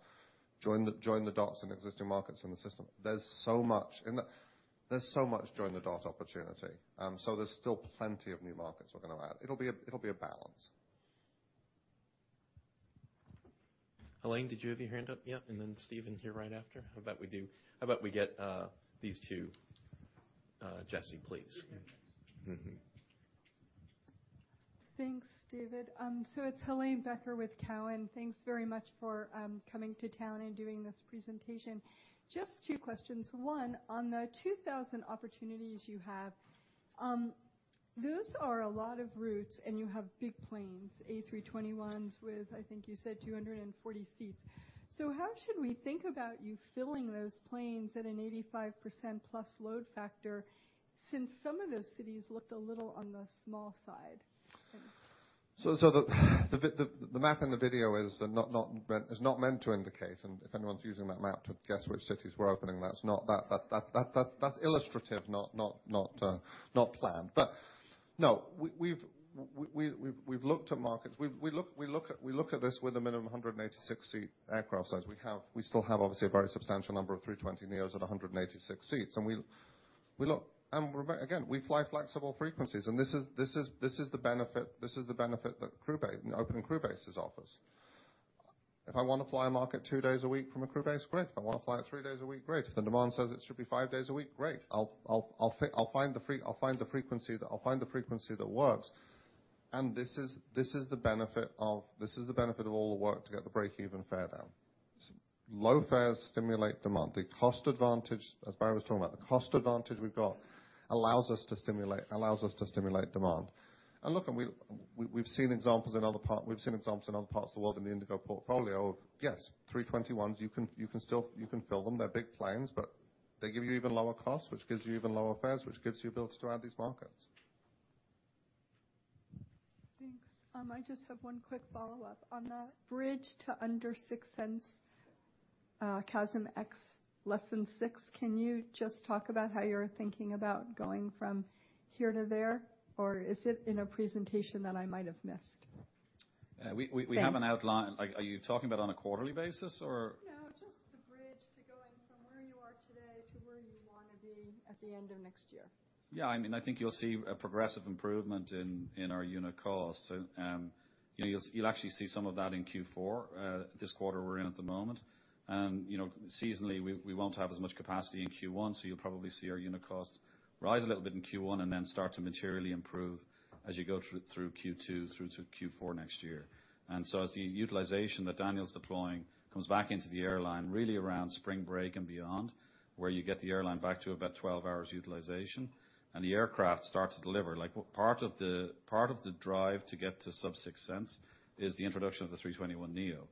join the dots in existing markets in the system. There's so much join the dots opportunity. There's still plenty of new markets we're gonna add. It'll be a balance. Helane, did you have your hand up? Yeah. Then Stephen here right after. How about we get these two, Jesse, please. Mm-hmm. Mm-hmm. Thanks, David. It's Helane Becker with Cowen. Thanks very much for coming to town and doing this presentation. Just two questions. One, on the 2,000 opportunities you have, those are a lot of routes, and you have big planes, A321s with, I think you said 240 seats. How should we think about you filling those planes at an 85%+ load factor since some of those cities looked a little on the small side? Thanks. The map in the video is not meant to indicate, and if anyone's using that map to guess which cities we're opening, that's not. That's illustrative, not planned. No, we've looked at markets. We look at this with a minimum 186-seat aircraft size. We still have, obviously, a very substantial number of A320neos at 186 seats. We look, and again, we fly flexible frequencies, and this is the benefit that opening crew bases offers. If I want to fly a market two days a week from a crew base, great. If I want to fly it three days a week, great. If the demand says it should be five days a week, great. I'll find the frequency that works. This is the benefit of all the work to get the break-even fare down. Low fares stimulate demand. The cost advantage, as Barry was talking about, the cost advantage we've got allows us to stimulate demand. Look, we've seen examples in other parts of the world in the Indigo portfolio of, yes, A321s, you can still fill them. They're big planes, but they give you even lower costs, which gives you even lower fares, which gives you the ability to add these markets. Thanks. I just have one quick follow-up. On that bridge to under $0.06, CASM ex-fuel less than $0.06, can you just talk about how you're thinking about going from here to there? Or is it in a presentation that I might have missed? Uh, we- Thanks. We have an outline. Like, are you talking about on a quarterly basis or? No, just the bridge to going from where you are today to where you wanna be at the end of next year. I mean, I think you'll see a progressive improvement in our unit cost. You know, you'll actually see some of that in Q4, this quarter we're in at the moment. You know, seasonally, we won't have as much capacity in Q1, so you'll probably see our unit cost rise a little bit in Q1 and then start to materially improve as you go through Q2 to Q4 next year. As the utilization that Daniel's deploying comes back into the airline, really around spring break and beyond, where you get the airline back to about 12 hours utilization, and the aircraft start to deliver. Part of the drive to get to sub $0.06 is the introduction of the A321neo.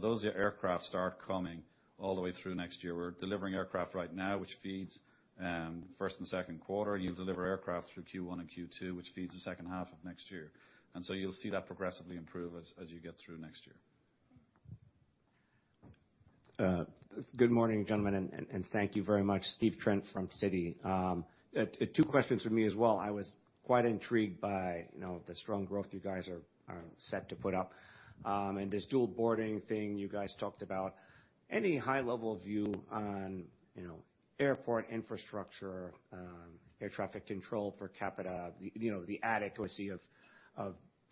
Those aircraft start coming all the way through next year. We're delivering aircraft right now, which feeds first and second quarter. You'll deliver aircraft through Q1 and Q2, which feeds the second half of next year. You'll see that progressively improve as you get through next year. Good morning, gentlemen, and thank you very much. Steve Trent from Citi. Two questions from me as well. I was quite intrigued by, you know, the strong growth you guys are set to put up, and this dual boarding thing you guys talked about. Any high-level view on, you know, airport infrastructure, air traffic control per capita, the adequacy of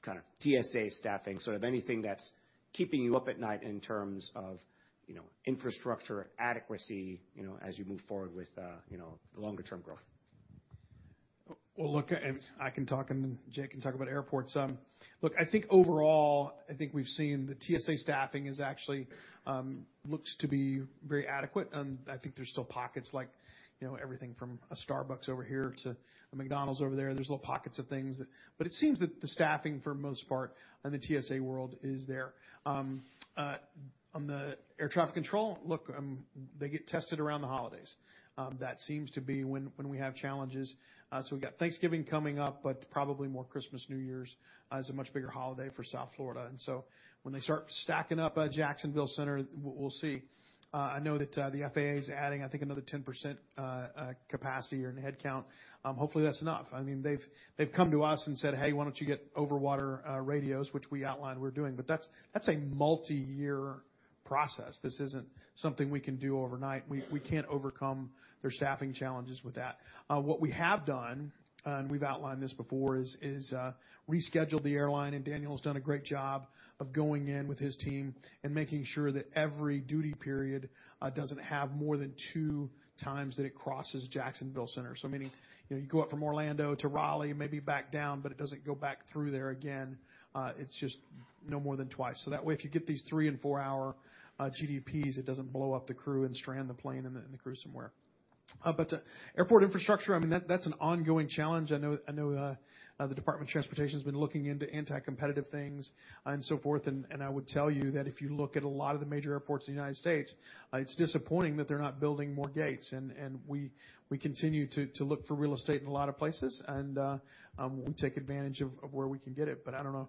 kind of TSA staffing, sort of anything that's keeping you up at night in terms of, you know, infrastructure adequacy, you know, as you move forward with the longer-term growth? Well, look, I can talk, and then Jake can talk about airports. Look, I think overall, we've seen the TSA staffing actually looks to be very adequate. I think there's still pockets like, you know, everything from a Starbucks over here to a McDonald's over there. There's little pockets of things that but it seems that the staffing for most part in the TSA world is there. On the air traffic control, look, they get tested around the holidays. That seems to be when we have challenges. We got Thanksgiving coming up, but probably more Christmas/New Year's as a much bigger holiday for South Florida. When they start stacking up at Jacksonville Center, we'll see. I know that the FAA is adding, I think, another 10% capacity or in headcount. Hopefully that's enough. I mean, they've come to us and said, "Hey, why don't you get over-water radios?" Which we outlined we're doing. That's a multiyear process. This isn't something we can do overnight. We can't overcome their staffing challenges with that. What we have done, and we've outlined this before, is rescheduled the airline, and Daniel's done a great job of going in with his team and making sure that every duty period doesn't have more than two times that it crosses Jacksonville Center. Meaning, you know, you go up from Orlando to Raleigh, maybe back down, but it doesn't go back through there again. It's just no more than twice. That way, if you get these three- and four-hour GDPs, it doesn't blow up the crew and strand the plane and the crew somewhere. Airport infrastructure, I mean, that's an ongoing challenge. I know the Department of Transportation has been looking into anti-competitive things and so forth. I would tell you that if you look at a lot of the major airports in the United States, it's disappointing that they're not building more gates. We continue to look for real estate in a lot of places, and we take advantage of where we can get it. I don't know.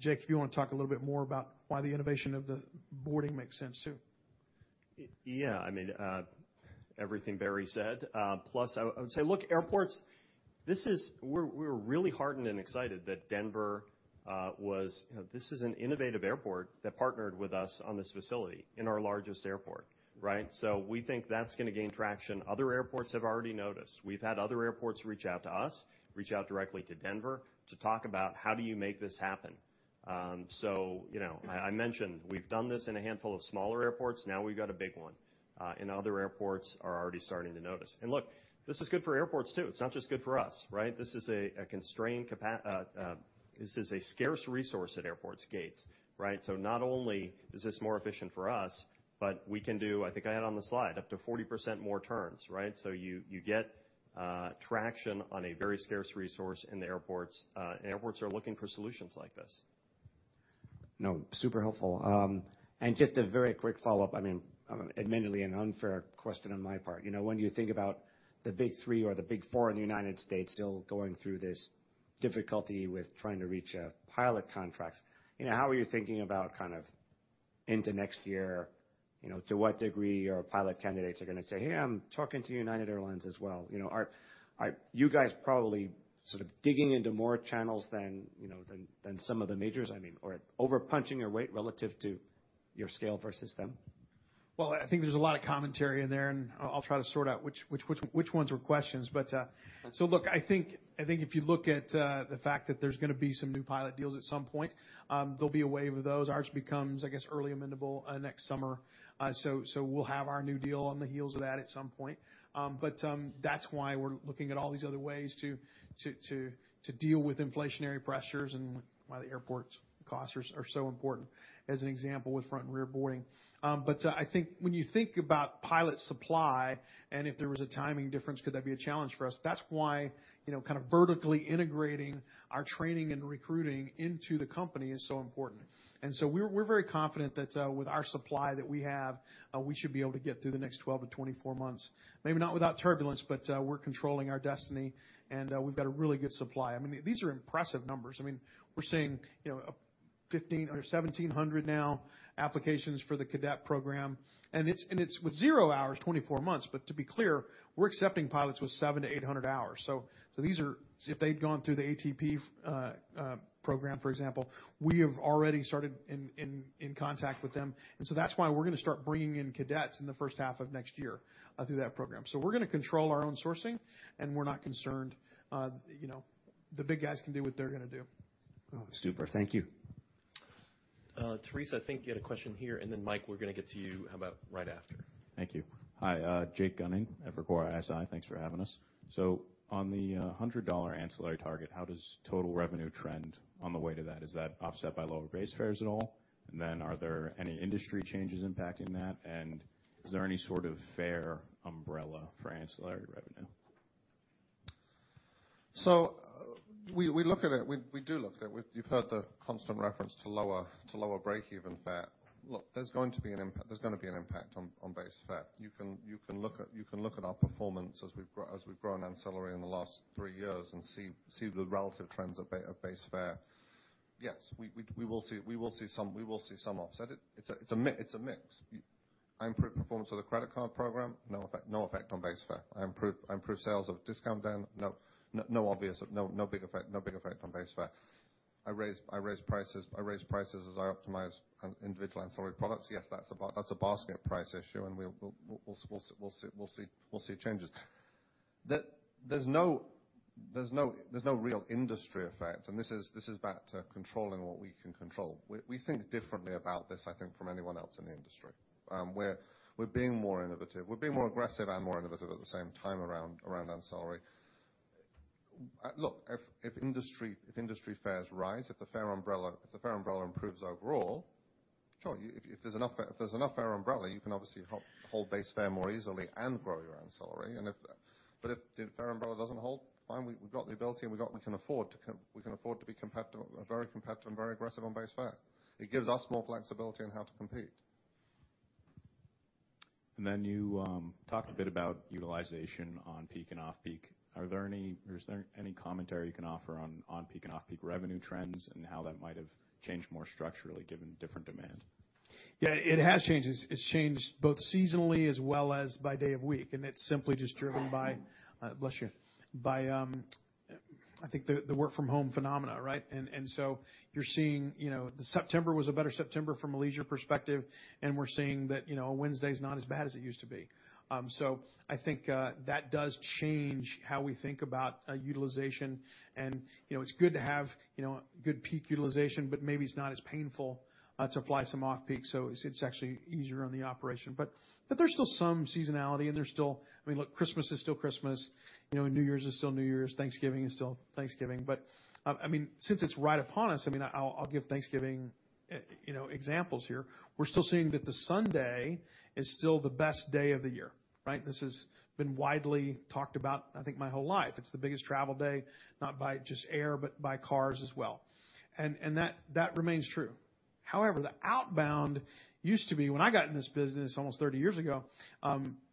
Jake, if you wanna talk a little bit more about why the innovation of the boarding makes sense too. Yeah. I mean, everything Barry said, plus I would say, look, airports, this is—we're really heartened and excited that Denver was. You know, this is an innovative airport that partnered with us on this facility in our largest airport, right? So we think that's gonna gain traction. Other airports have already noticed. We've had other airports reach out to us directly to Denver to talk about how do you make this happen. So, you know, I mentioned we've done this in a handful of smaller airports, now we've got a big one, and other airports are already starting to notice. Look, this is good for airports, too. It's not just good for us, right? This is a scarce resource at airports, gates, right? Not only is this more efficient for us, but we can do, I think I had on the slide, up to 40% more turns, right? You get traction on a very scarce resource in the airports, and airports are looking for solutions like this. No, super helpful. And just a very quick follow-up, I mean, admittedly an unfair question on my part. You know, when you think about the big three or the big four in the United States still going through this difficulty with trying to reach pilot contracts, you know, how are you thinking about kind of into next year, you know, to what degree your pilot candidates are gonna say, "Hey, I'm talking to United Airlines as well." You know, are you guys probably sort of digging into more channels than, you know, than some of the majors, I mean, or over-punching your weight relative to your scale versus them? Well, I think there's a lot of commentary in there, and I'll try to sort out which ones were questions. Look, I think if you look at the fact that there's gonna be some new pilot deals at some point, there'll be a wave of those. Ours becomes, I guess, early amendable next summer. We'll have our new deal on the heels of that at some point. That's why we're looking at all these other ways to deal with inflationary pressures and why the airport costs are so important, as an example with front and rear boarding. I think when you think about pilot supply and if there was a timing difference, could that be a challenge for us? That's why, you know, kind of vertically integrating our training and recruiting into the company is so important. We're very confident that with our supply that we have, we should be able to get through the next 12-24 months. Maybe not without turbulence, but we're controlling our destiny, and we've got a really good supply. I mean, these are impressive numbers. I mean, we're seeing, you know, 1,500 or 1,700 now applications for the cadet program, and it's with zero hours, 24 months. To be clear, we're accepting pilots with 700-800 hours. These are if they'd gone through the ATP program, for example, we have already started in contact with them. That's why we're gonna start bringing in cadets in the first half of next year through that program. We're gonna control our own sourcing, and we're not concerned. You know, the big guys can do what they're gonna do. Oh, super. Thank you. Theresa, I think you had a question here, and then Mike, we're gonna get to you how about right after. Thank you. Hi, Jake Gunning at Evercore ISI. Thanks for having us. On the $100 ancillary target, how does total revenue trend on the way to that? Is that offset by lower base fares at all? Are there any industry changes impacting that? Is there any sort of fare umbrella for ancillary revenue? We look at it. We do look at it. You've heard the constant reference to lower break-even fare. Look, there's gonna be an impact on base fare. You can look at our performance as we've grown ancillary in the last three years and see the relative trends at base fare. Yes, we will see some offset. It's a mix. I improve performance of the credit card program, no effect on base fare. I improve sales of Discount Den, no big effect on base fare. I raise prices as I optimize individual ancillary products. Yes, that's a basket price issue, and we'll see changes. There's no real industry effect, and this is about controlling what we can control. We think differently about this, I think, from anyone else in the industry. We're being more innovative. We're being more aggressive and more innovative at the same time around ancillary. Look, if industry fares rise, if the fare umbrella improves overall, sure, if there's enough fare umbrella, you can obviously hold base fare more easily and grow your ancillary. But if the fare umbrella doesn't hold, fine, we've got the ability, we can afford to be competitive, very competitive and very aggressive on base fare. It gives us more flexibility on how to compete. You talked a bit about utilization on peak and off-peak. Is there any commentary you can offer on on-peak and off-peak revenue trends and how that might have changed more structurally given different demand? Yeah, it has changed. It's changed both seasonally as well as by day of week, and it's simply just driven by, bless you. By, I think the work from home phenomena, right? So you're seeing, you know, September was a better September from a leisure perspective, and we're seeing that, you know, Wednesday's not as bad as it used to be. So I think that does change how we think about utilization. You know, it's good to have, you know, good peak utilization, but maybe it's not as painful to fly some off-peak, so it's actually easier on the operation. But there's still some seasonality, and there's still. I mean, look, Christmas is still Christmas. You know, New Year's is still New Year's. Thanksgiving is still Thanksgiving. I mean, since it's right upon us, I mean, I'll give Thanksgiving, you know, examples here. We're still seeing that the Sunday is still the best day of the year, right? This has been widely talked about, I think, my whole life. It's the biggest travel day, not by just air, but by cars as well. That remains true. However, the outbound used to be, when I got in this business almost 30 years ago,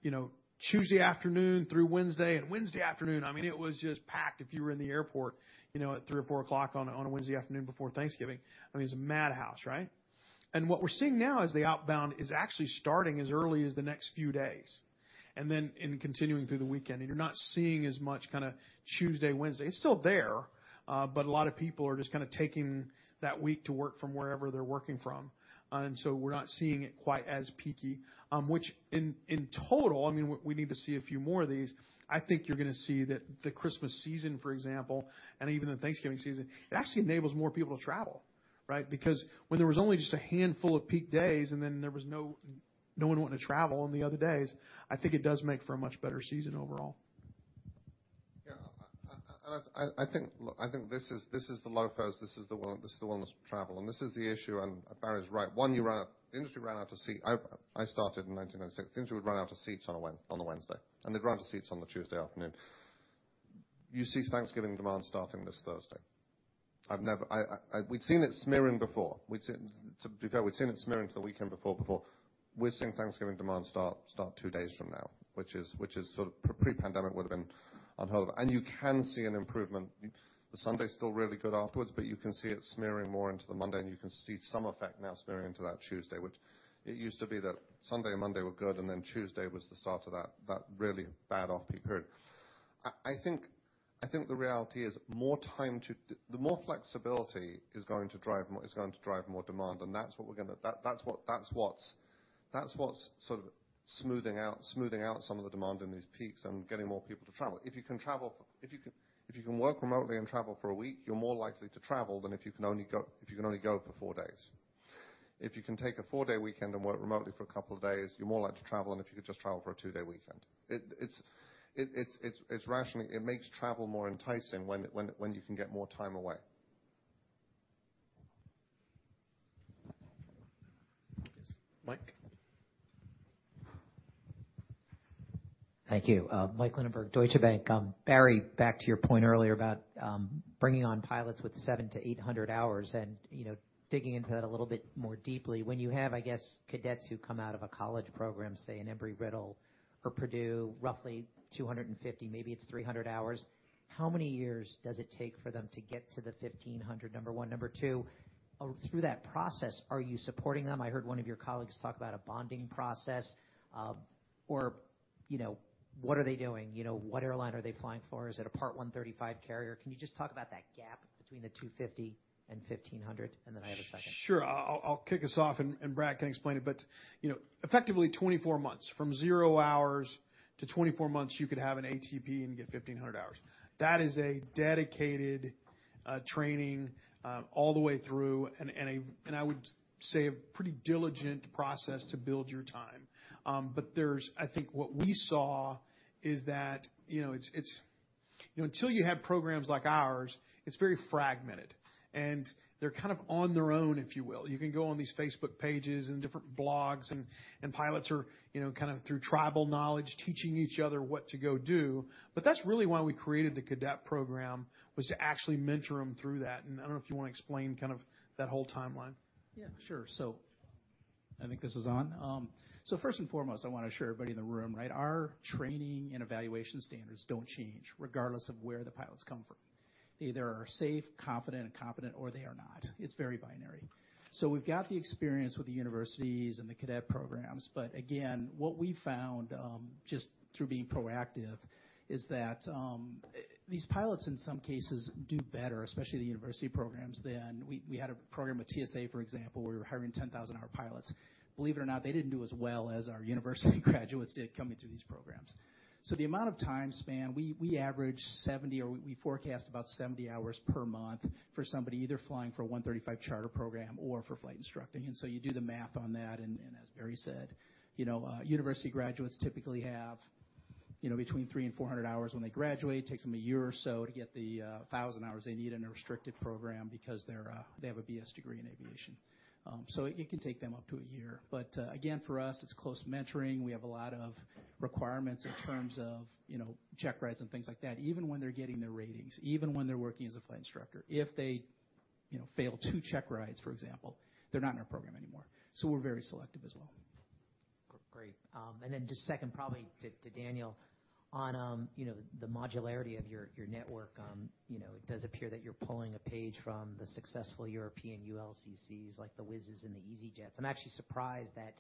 you know, Tuesday afternoon through Wednesday and Wednesday afternoon, I mean, it was just packed if you were in the airport, you know, at 3:00 P.M or 4:00 P.M on a Wednesday afternoon before Thanksgiving. I mean, it's a madhouse, right? What we're seeing now is the outbound is actually starting as early as the next few days, and then continuing through the weekend. You're not seeing as much kinda Tuesday, Wednesday. It's still there, but a lot of people are just kinda taking that week to work from wherever they're working from. We're not seeing it quite as peaky. Which in total, I mean, we need to see a few more of these. I think you're gonna see that the Christmas season, for example, and even the Thanksgiving season, it actually enables more people to travel, right? Because when there was only just a handful of peak days, and then there was no one wanting to travel on the other days, I think it does make for a much better season overall. Yeah. I think, look, I think this is the low fares, this is the one, this is the leisure travel. This is the issue, and Barry's right. The industry ran out of seats. I started in 1996. The industry would run out of seats on a Wednesday, and they'd run out of seats on the Tuesday afternoon. You see Thanksgiving demand starting this Thursday. I've never. We'd seen it smearing before. To be fair, we'd seen it smearing to the weekend before. We're seeing Thanksgiving demand start two days from now, which is sort of pre-pandemic would've been unheard of. You can see an improvement. The Sunday's still really good afterwards, but you can see it smearing more into the Monday, and you can see some effect now smearing into that Tuesday. It used to be that Sunday and Monday were good, and then Tuesday was the start of that really bad off-peak period. I think the reality is the more flexibility is going to drive more demand, and that's what's sort of smoothing out some of the demand in these peaks and getting more people to travel. If you can travel, if you can work remotely and travel for a week, you're more likely to travel than if you can only go for four days. If you can take a four-day weekend and work remotely for a couple of days, you're more likely to travel than if you could just travel for a two-day weekend. It's rationing. It makes travel more enticing when you can get more time away. Mike? Thank you. Mike Linenberg, Deutsche Bank. Barry, back to your point earlier about bringing on pilots with 700-800 hours and, you know, digging into that a little bit more deeply. When you have, I guess, cadets who come out of a college program, say, in Embry-Riddle or Purdue, roughly 250, maybe it's 300 hours, how many years does it take for them to get to the 1,500, number one? Number two, through that process, are you supporting them? I heard one of your colleagues talk about a bonding process. Or, you know, what are they doing? You know, what airline are they flying for? Is it a Part 135 carrier? Can you just talk about that gap between the 250 and 1,500? Then I have a second. Sure. I'll kick us off, and Brad can explain it. You know, effectively 24 months. From zero hours to 24 months, you could have an ATP and get 1,500 hours. That is a dedicated training all the way through, and I would say a pretty diligent process to build your time. I think what we saw is that, you know, it's you know, until you have programs like ours, it's very fragmented, and they're kind of on their own, if you will. You can go on these Facebook pages and different blogs and pilots are, you know, kind of through tribal knowledge, teaching each other what to go do. That's really why we created the cadet program, was to actually mentor them through that. I don't know if you wanna explain kind of that whole timeline. Yeah, sure. I think this is on. First and foremost, I want to assure everybody in the room, right, our training and evaluation standards don't change regardless of where the pilots come from. They either are safe, confident, and competent, or they are not. It's very binary. We've got the experience with the universities and the cadet programs. Again, what we found, just through being proactive is that these pilots, in some cases, do better, especially the university programs, than we had a program with TSA, for example, where we were hiring 10,000 of our pilots. Believe it or not, they didn't do as well as our university graduates did coming through these programs. The amount of time span, we average 70 or we forecast about 70 hours per month for somebody either flying for a Part 135 charter program or for flight instructing. You do the math on that, and as Barry said, you know, university graduates typically have, you know, between 300 and 400 hours when they graduate. It takes them a year or so to get the 1,000 hours they need in a restricted program because they have a BS degree in aviation. It can take them up to a year. Again, for us, it's close mentoring. We have a lot of requirements in terms of, you know, check rides and things like that, even when they're getting their ratings, even when they're working as a flight instructor. If they, you know, fail two check rides, for example, they're not in our program anymore. We're very selective as well. Great. Just second, probably to Daniel. On the modularity of your network. You know, it does appear that you're pulling a page from the successful European ULCCs like the Wizz and the easyJets. I'm actually surprised that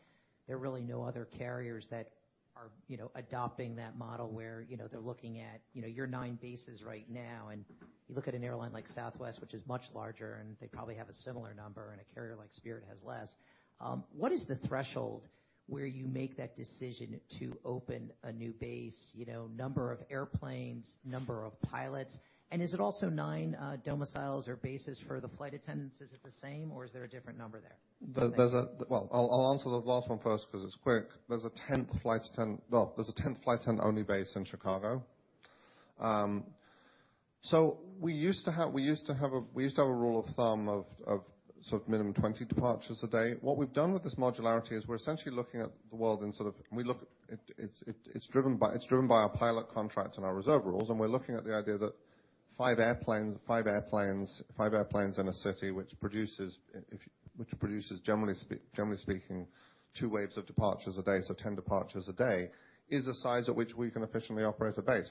there are really no other carriers that are adopting that model where they're looking at your nine bases right now, and you look at an airline like Southwest, which is much larger, and they probably have a similar number, and a carrier like Spirit has less. What is the threshold where you make that decision to open a new base, number of airplanes, number of pilots? And is it also nine domiciles or bases for the flight attendants? Is it the same, or is there a different number there? Well, I'll answer the last one first because it's quick. There's a 10-flight 10-only base in Chicago. So we used to have a rule of thumb of sort of minimum 20 departures a day. What we've done with this modularity is we're essentially looking at the world. It's driven by our pilot contracts and our reserve rules, and we're looking at the idea that five airplanes in a city which produces, generally speaking, two waves of departures a day, so 10 departures a day, is a size at which we can efficiently operate a base.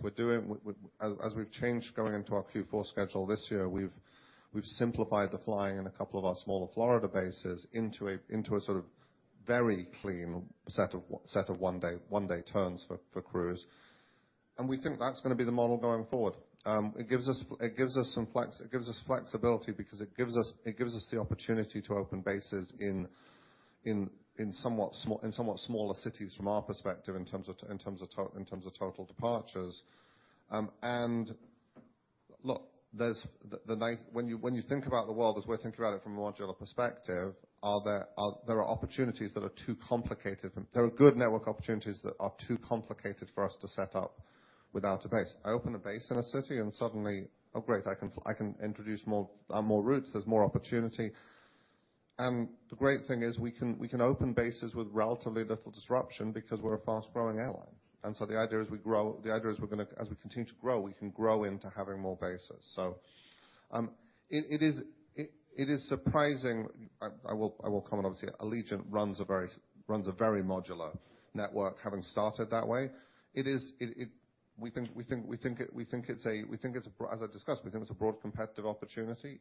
As we've changed going into our Q4 schedule this year, we've simplified the flying in a couple of our smaller Florida bases into a sort of very clean set of one-day turns for crews. We think that's gonna be the model going forward. It gives us flexibility because it gives us the opportunity to open bases in somewhat smaller cities from our perspective in terms of total departures. When you think about the world as we're thinking about it from a modular perspective, are there opportunities that are too complicated. There are good network opportunities that are too complicated for us to set up without a base. I open a base in a city and suddenly, oh, great, I can introduce more routes. There's more opportunity. The great thing is we can open bases with relatively little disruption because we're a fast-growing airline. The idea is as we continue to grow, we can grow into having more bases. It is surprising. I will comment, obviously. Allegiant runs a very modular network having started that way. As I discussed, we think it's a broad competitive opportunity.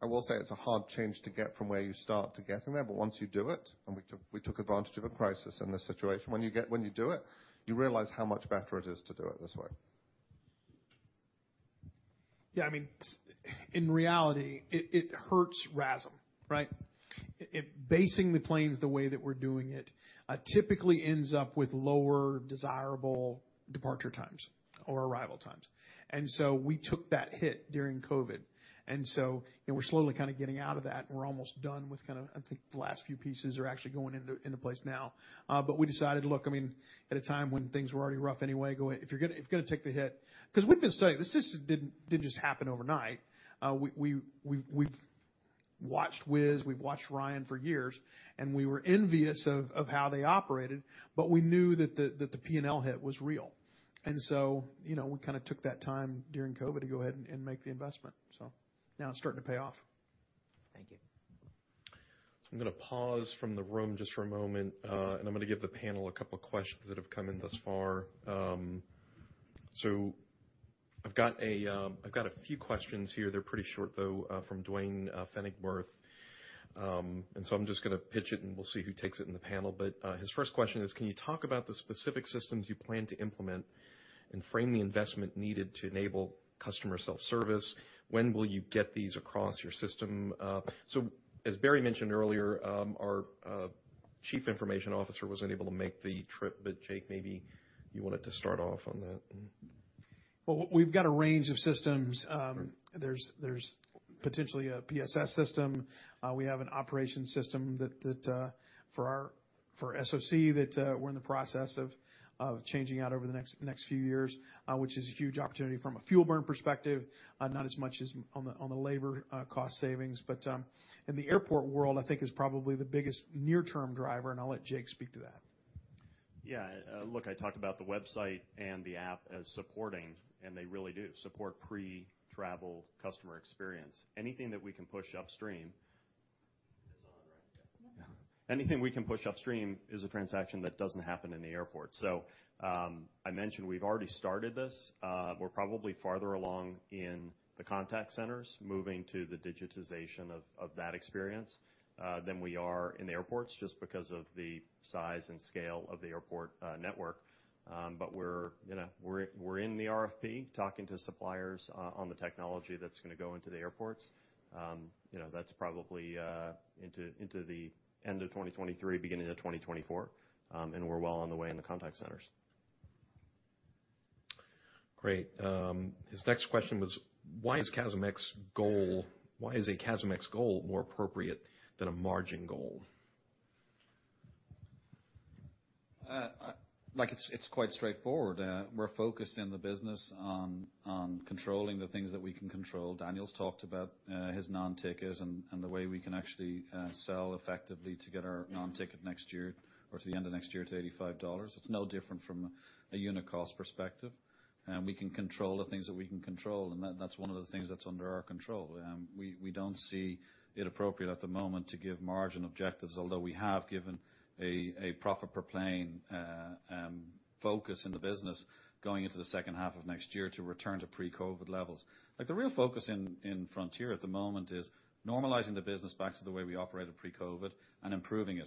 I will say it's a hard change to get from where you start to getting there. Once you do it, and we took advantage of a crisis in this situation, when you do it, you realize how much better it is to do it this way. Yeah, I mean, in reality, it hurts RASM, right? Basing the planes the way that we're doing it typically ends up with less desirable departure times or arrival times. We took that hit during COVID. You know, we're slowly kind of getting out of that. We're almost done. I think the last few pieces are actually going into place now. We decided, look, I mean, at a time when things were already rough anyway, go, "If you're gonna take the hit..." 'Cause we've been studying. This just didn't just happen overnight. We've watched Wizz Air, we've watched Ryanair for years, and we were envious of how they operated, but we knew that the P&L hit was real. you know, we kind of took that time during COVID to go ahead and make the investment. Now it's starting to pay off. Thank you. I'm gonna pause from the room just for a moment, and I'm gonna give the panel a couple questions that have come in thus far. I've got a few questions here. They're pretty short, though, from Duane Pfennigwerth. I'm just gonna pitch it, and we'll see who takes it in the panel. His first question is, can you talk about the specific systems you plan to implement and frame the investment needed to enable customer self-service? When will you get these across your system? As Barry mentioned earlier, our chief information officer wasn't able to make the trip, but Jake, maybe you wanted to start off on that. Well, we've got a range of systems. There's potentially a PSS system. We have an operations system that for our SOC we're in the process of changing out over the next few years, which is a huge opportunity from a fuel burn perspective, not as much as on the labor cost savings. In the airport world, I think is probably the biggest near-term driver, and I'll let Jake speak to that. Yeah. Look, I talked about the website and the app as supporting, and they really do support pre-travel customer experience. Anything that we can push upstream is a transaction that doesn't happen in the airport. I mentioned we've already started this. We're probably farther along in the contact centers moving to the digitization of that experience than we are in the airports just because of the size and scale of the airport network. But you know, we're in the RFP talking to suppliers on the technology that's gonna go into the airports. You know, that's probably into the end of 2023, beginning of 2024. And we're well on the way in the contact centers. Great. His next question was, why is a CASM ex-fuel more appropriate than a margin goal? Like it's quite straightforward. We're focused in the business on controlling the things that we can control. Daniel Shurz's talked about his non-ticket and the way we can actually sell effectively to get our non-ticket next year or to the end of next year to $85. It's no different from a unit cost perspective. We can control the things that we can control, and that's one of the things that's under our control. We don't see it appropriate at the moment to give margin objectives, although we have given a profit per plane focus in the business going into the second half of next year to return to pre-COVID levels. Like, the real focus in Frontier at the moment is normalizing the business back to the way we operated pre-COVID and improving it.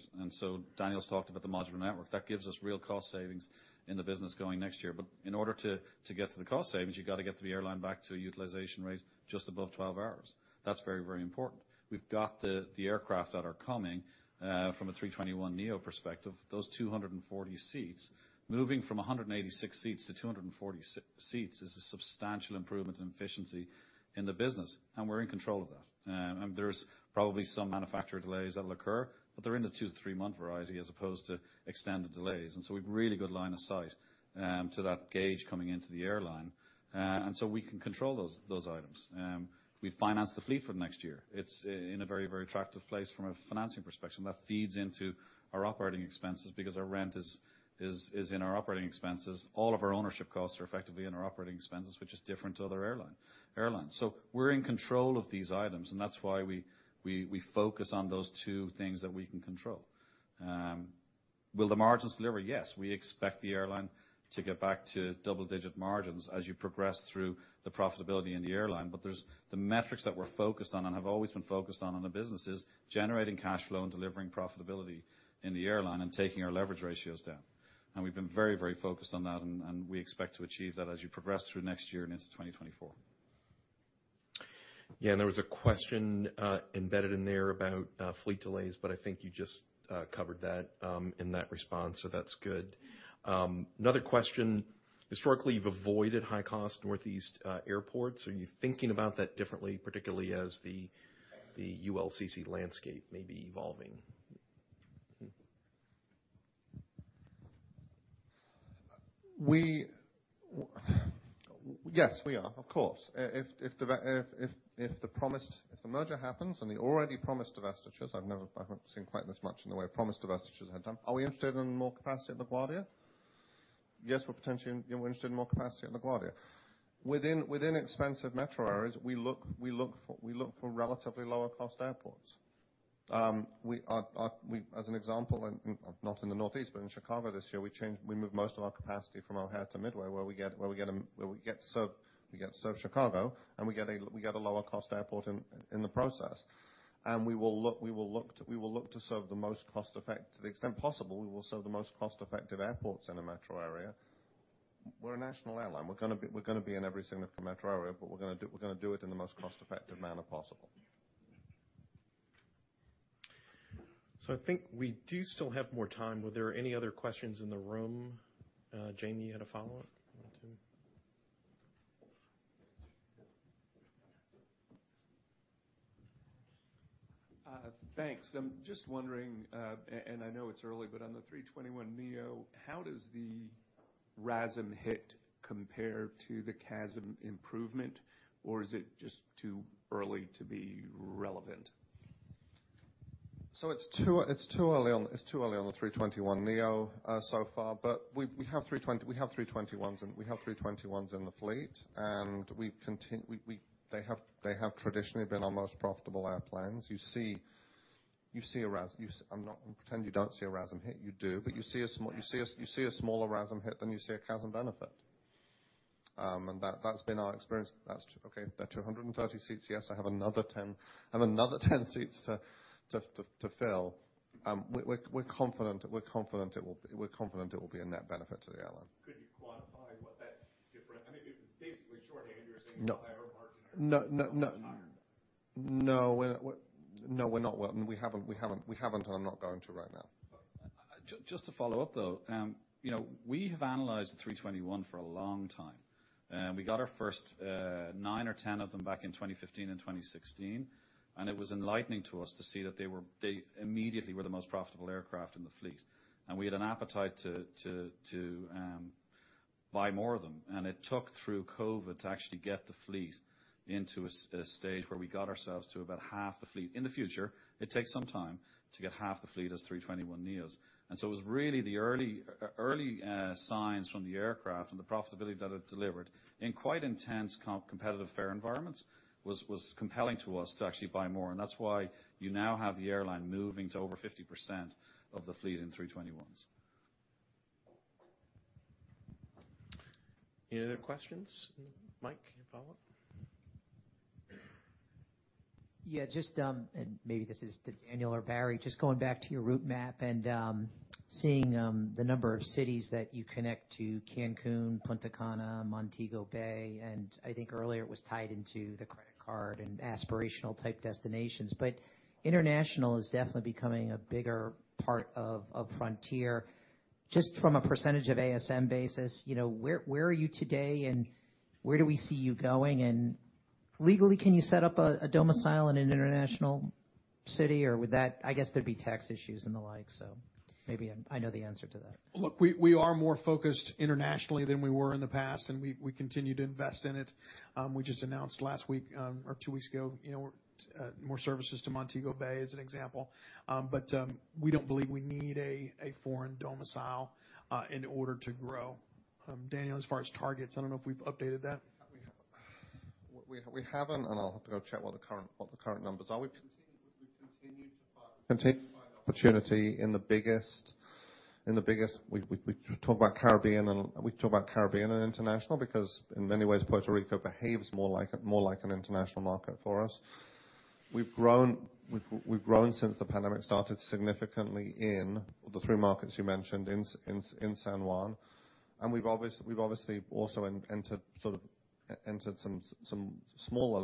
Daniel's talked about the modular network. That gives us real cost savings in the business going next year. In order to get to the cost savings, you've got to get the airline back to a utilization rate just above 12 hours. That's very important. We've got the aircraft that are coming from an A321neo perspective. Those 240 seats, moving from 186 seats to 240 seats is a substantial improvement in efficiency in the business, and we're in control of that. There's probably some manufacturer delays that'll occur, but they're in the two to three month variety as opposed to extended delays. We've really good line of sight to that gauge coming into the airline. We can control those items. We finance the fleet for next year. It's in a very, very attractive place from a financing perspective, and that feeds into our operating expenses because our rent is in our operating expenses. All of our ownership costs are effectively in our operating expenses, which is different to other airlines. We're in control of these items, and that's why we focus on those two things that we can control. Will the margins deliver? Yes. We expect the airline to get back to double-digit margins as you progress through the profitability in the airline. There's the metrics that we're focused on and have always been focused on in the business is generating cash flow and delivering profitability in the airline and taking our leverage ratios down. We've been very, very focused on that, and we expect to achieve that as you progress through next year and into 2024. Yeah. There was a question embedded in there about fleet delays, but I think you just covered that in that response, so that's good. Another question. Historically, you've avoided high-cost Northeast airports. Are you thinking about that differently, particularly as the ULCC landscape may be evolving? We... Yes, we are, of course. If the merger happens and the already promised divestitures, I haven't seen quite this much in the way of promised divestitures ahead of time. Are we interested in more capacity at LaGuardia? Yes, we're potentially, you know, interested in more capacity at LaGuardia. Within expensive metro areas, we look for relatively lower-cost airports. As an example, not in the Northeast, but in Chicago this year, we moved most of our capacity from O'Hare to Midway, where we serve Chicago, and we get a lower-cost airport in the process. We will look to serve the most cost-effective airports in a metro area to the extent possible. We're a national airline. We're gonna be in every significant metro area, but we're gonna do it in the most cost-effective manner possible. I think we do still have more time. Were there any other questions in the room? Jamie, you had a follow-up you wanted to? Thanks. I'm just wondering, and I know it's early, but on the A321neo, how does the RASM hit compare to the CASM improvement, or is it just too early to be relevant? It's too early on the A321neo so far, but we have A321s in the fleet, and they have traditionally been our most profitable airplanes. You see a RASM hit. You do. But you see a smaller RASM hit than you see a CASM benefit. And that's been our experience. That's true. Okay. They're 230 seats. Yes, I have another 10 seats to fill. We're confident it will be a net benefit to the airline. Could you quantify what that difference, I mean, basically, shorthand, you're saying a higher margin or return? No. No, we're not. We haven't, and I'm not going to right now. Just to follow up, though, you know, we have analyzed the A321 for a long time. We got our first nine or 10 of them back in 2015 and 2016, and it was enlightening to us to see that they immediately were the most profitable aircraft in the fleet. We had an appetite to Buy more of them. It took through COVID to actually get the fleet into a stage where we got ourselves to about half the fleet. In the future, it takes some time to get half the fleet as A321neos. It was really the early signs from the aircraft and the profitability that it delivered in quite intense competitive fare environments that was compelling to us to actually buy more. That's why you now have the airline moving to over 50% of the fleet in A321s. Any other questions? Mike, any follow-up? Yeah, just, maybe this is to Daniel or Barry, just going back to your route map and seeing the number of cities that you connect to Cancún, Punta Cana, Montego Bay, and I think earlier it was tied into the credit card and aspirational type destinations. International is definitely becoming a bigger part of Frontier. Just from a percentage of ASM basis, you know, where are you today and where do we see you going? Legally, can you set up a domicile in an international city or would that be tax issues and the like? Maybe I know the answer to that. Look, we are more focused internationally than we were in the past, and we continue to invest in it. We just announced last week, or two weeks ago, you know, more services to Montego Bay as an example. We don't believe we need a foreign domicile in order to grow. Daniel, as far as targets, I don't know if we've updated that. We haven't. We haven't, and I'll have to go check what the current numbers are. We continue to find opportunity in the biggest. We talk about Caribbean and international because in many ways, Puerto Rico behaves more like an international market for us. We've grown since the pandemic started significantly in the three markets you mentioned in San Juan, and we've obviously also entered some small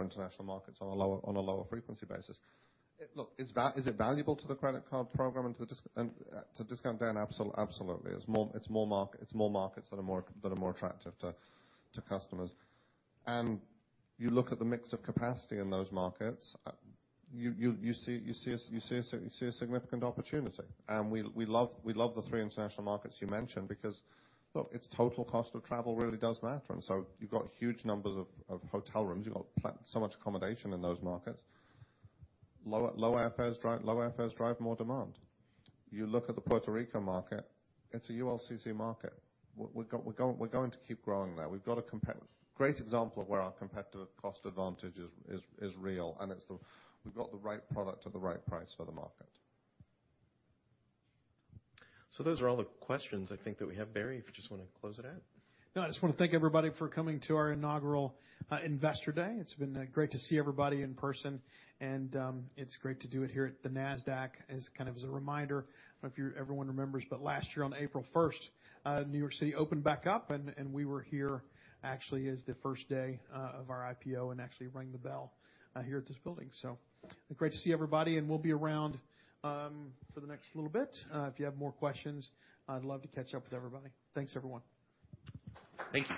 international markets on a lower frequency basis. Look, is it valuable to the credit card program and to Discount Den? Absolutely. It's more markets that are more attractive to customers. You look at the mix of capacity in those markets, you see a significant opportunity. We love the three international markets you mentioned because, look, it's total cost of travel really does matter. You've got huge numbers of hotel rooms. You've got so much accommodation in those markets. Low airfares drive more demand. You look at the Puerto Rico market, it's a ULCC market. We're going to keep growing there. We've got a great example of where our competitive cost advantage is real, and it's the, we've got the right product at the right price for the market. Those are all the questions I think that we have. Barry, if you just wanna close it out. No, I just wanna thank everybody for coming to our inaugural investor day. It's been great to see everybody in person, and it's great to do it here at the Nasdaq as kind of a reminder, if everyone remembers, but last year on April first, New York City opened back up and we were here actually as the first day of our IPO and actually rang the bell here at this building. Great to see everybody, and we'll be around for the next little bit. If you have more questions, I'd love to catch up with everybody. Thanks, everyone. Thank you.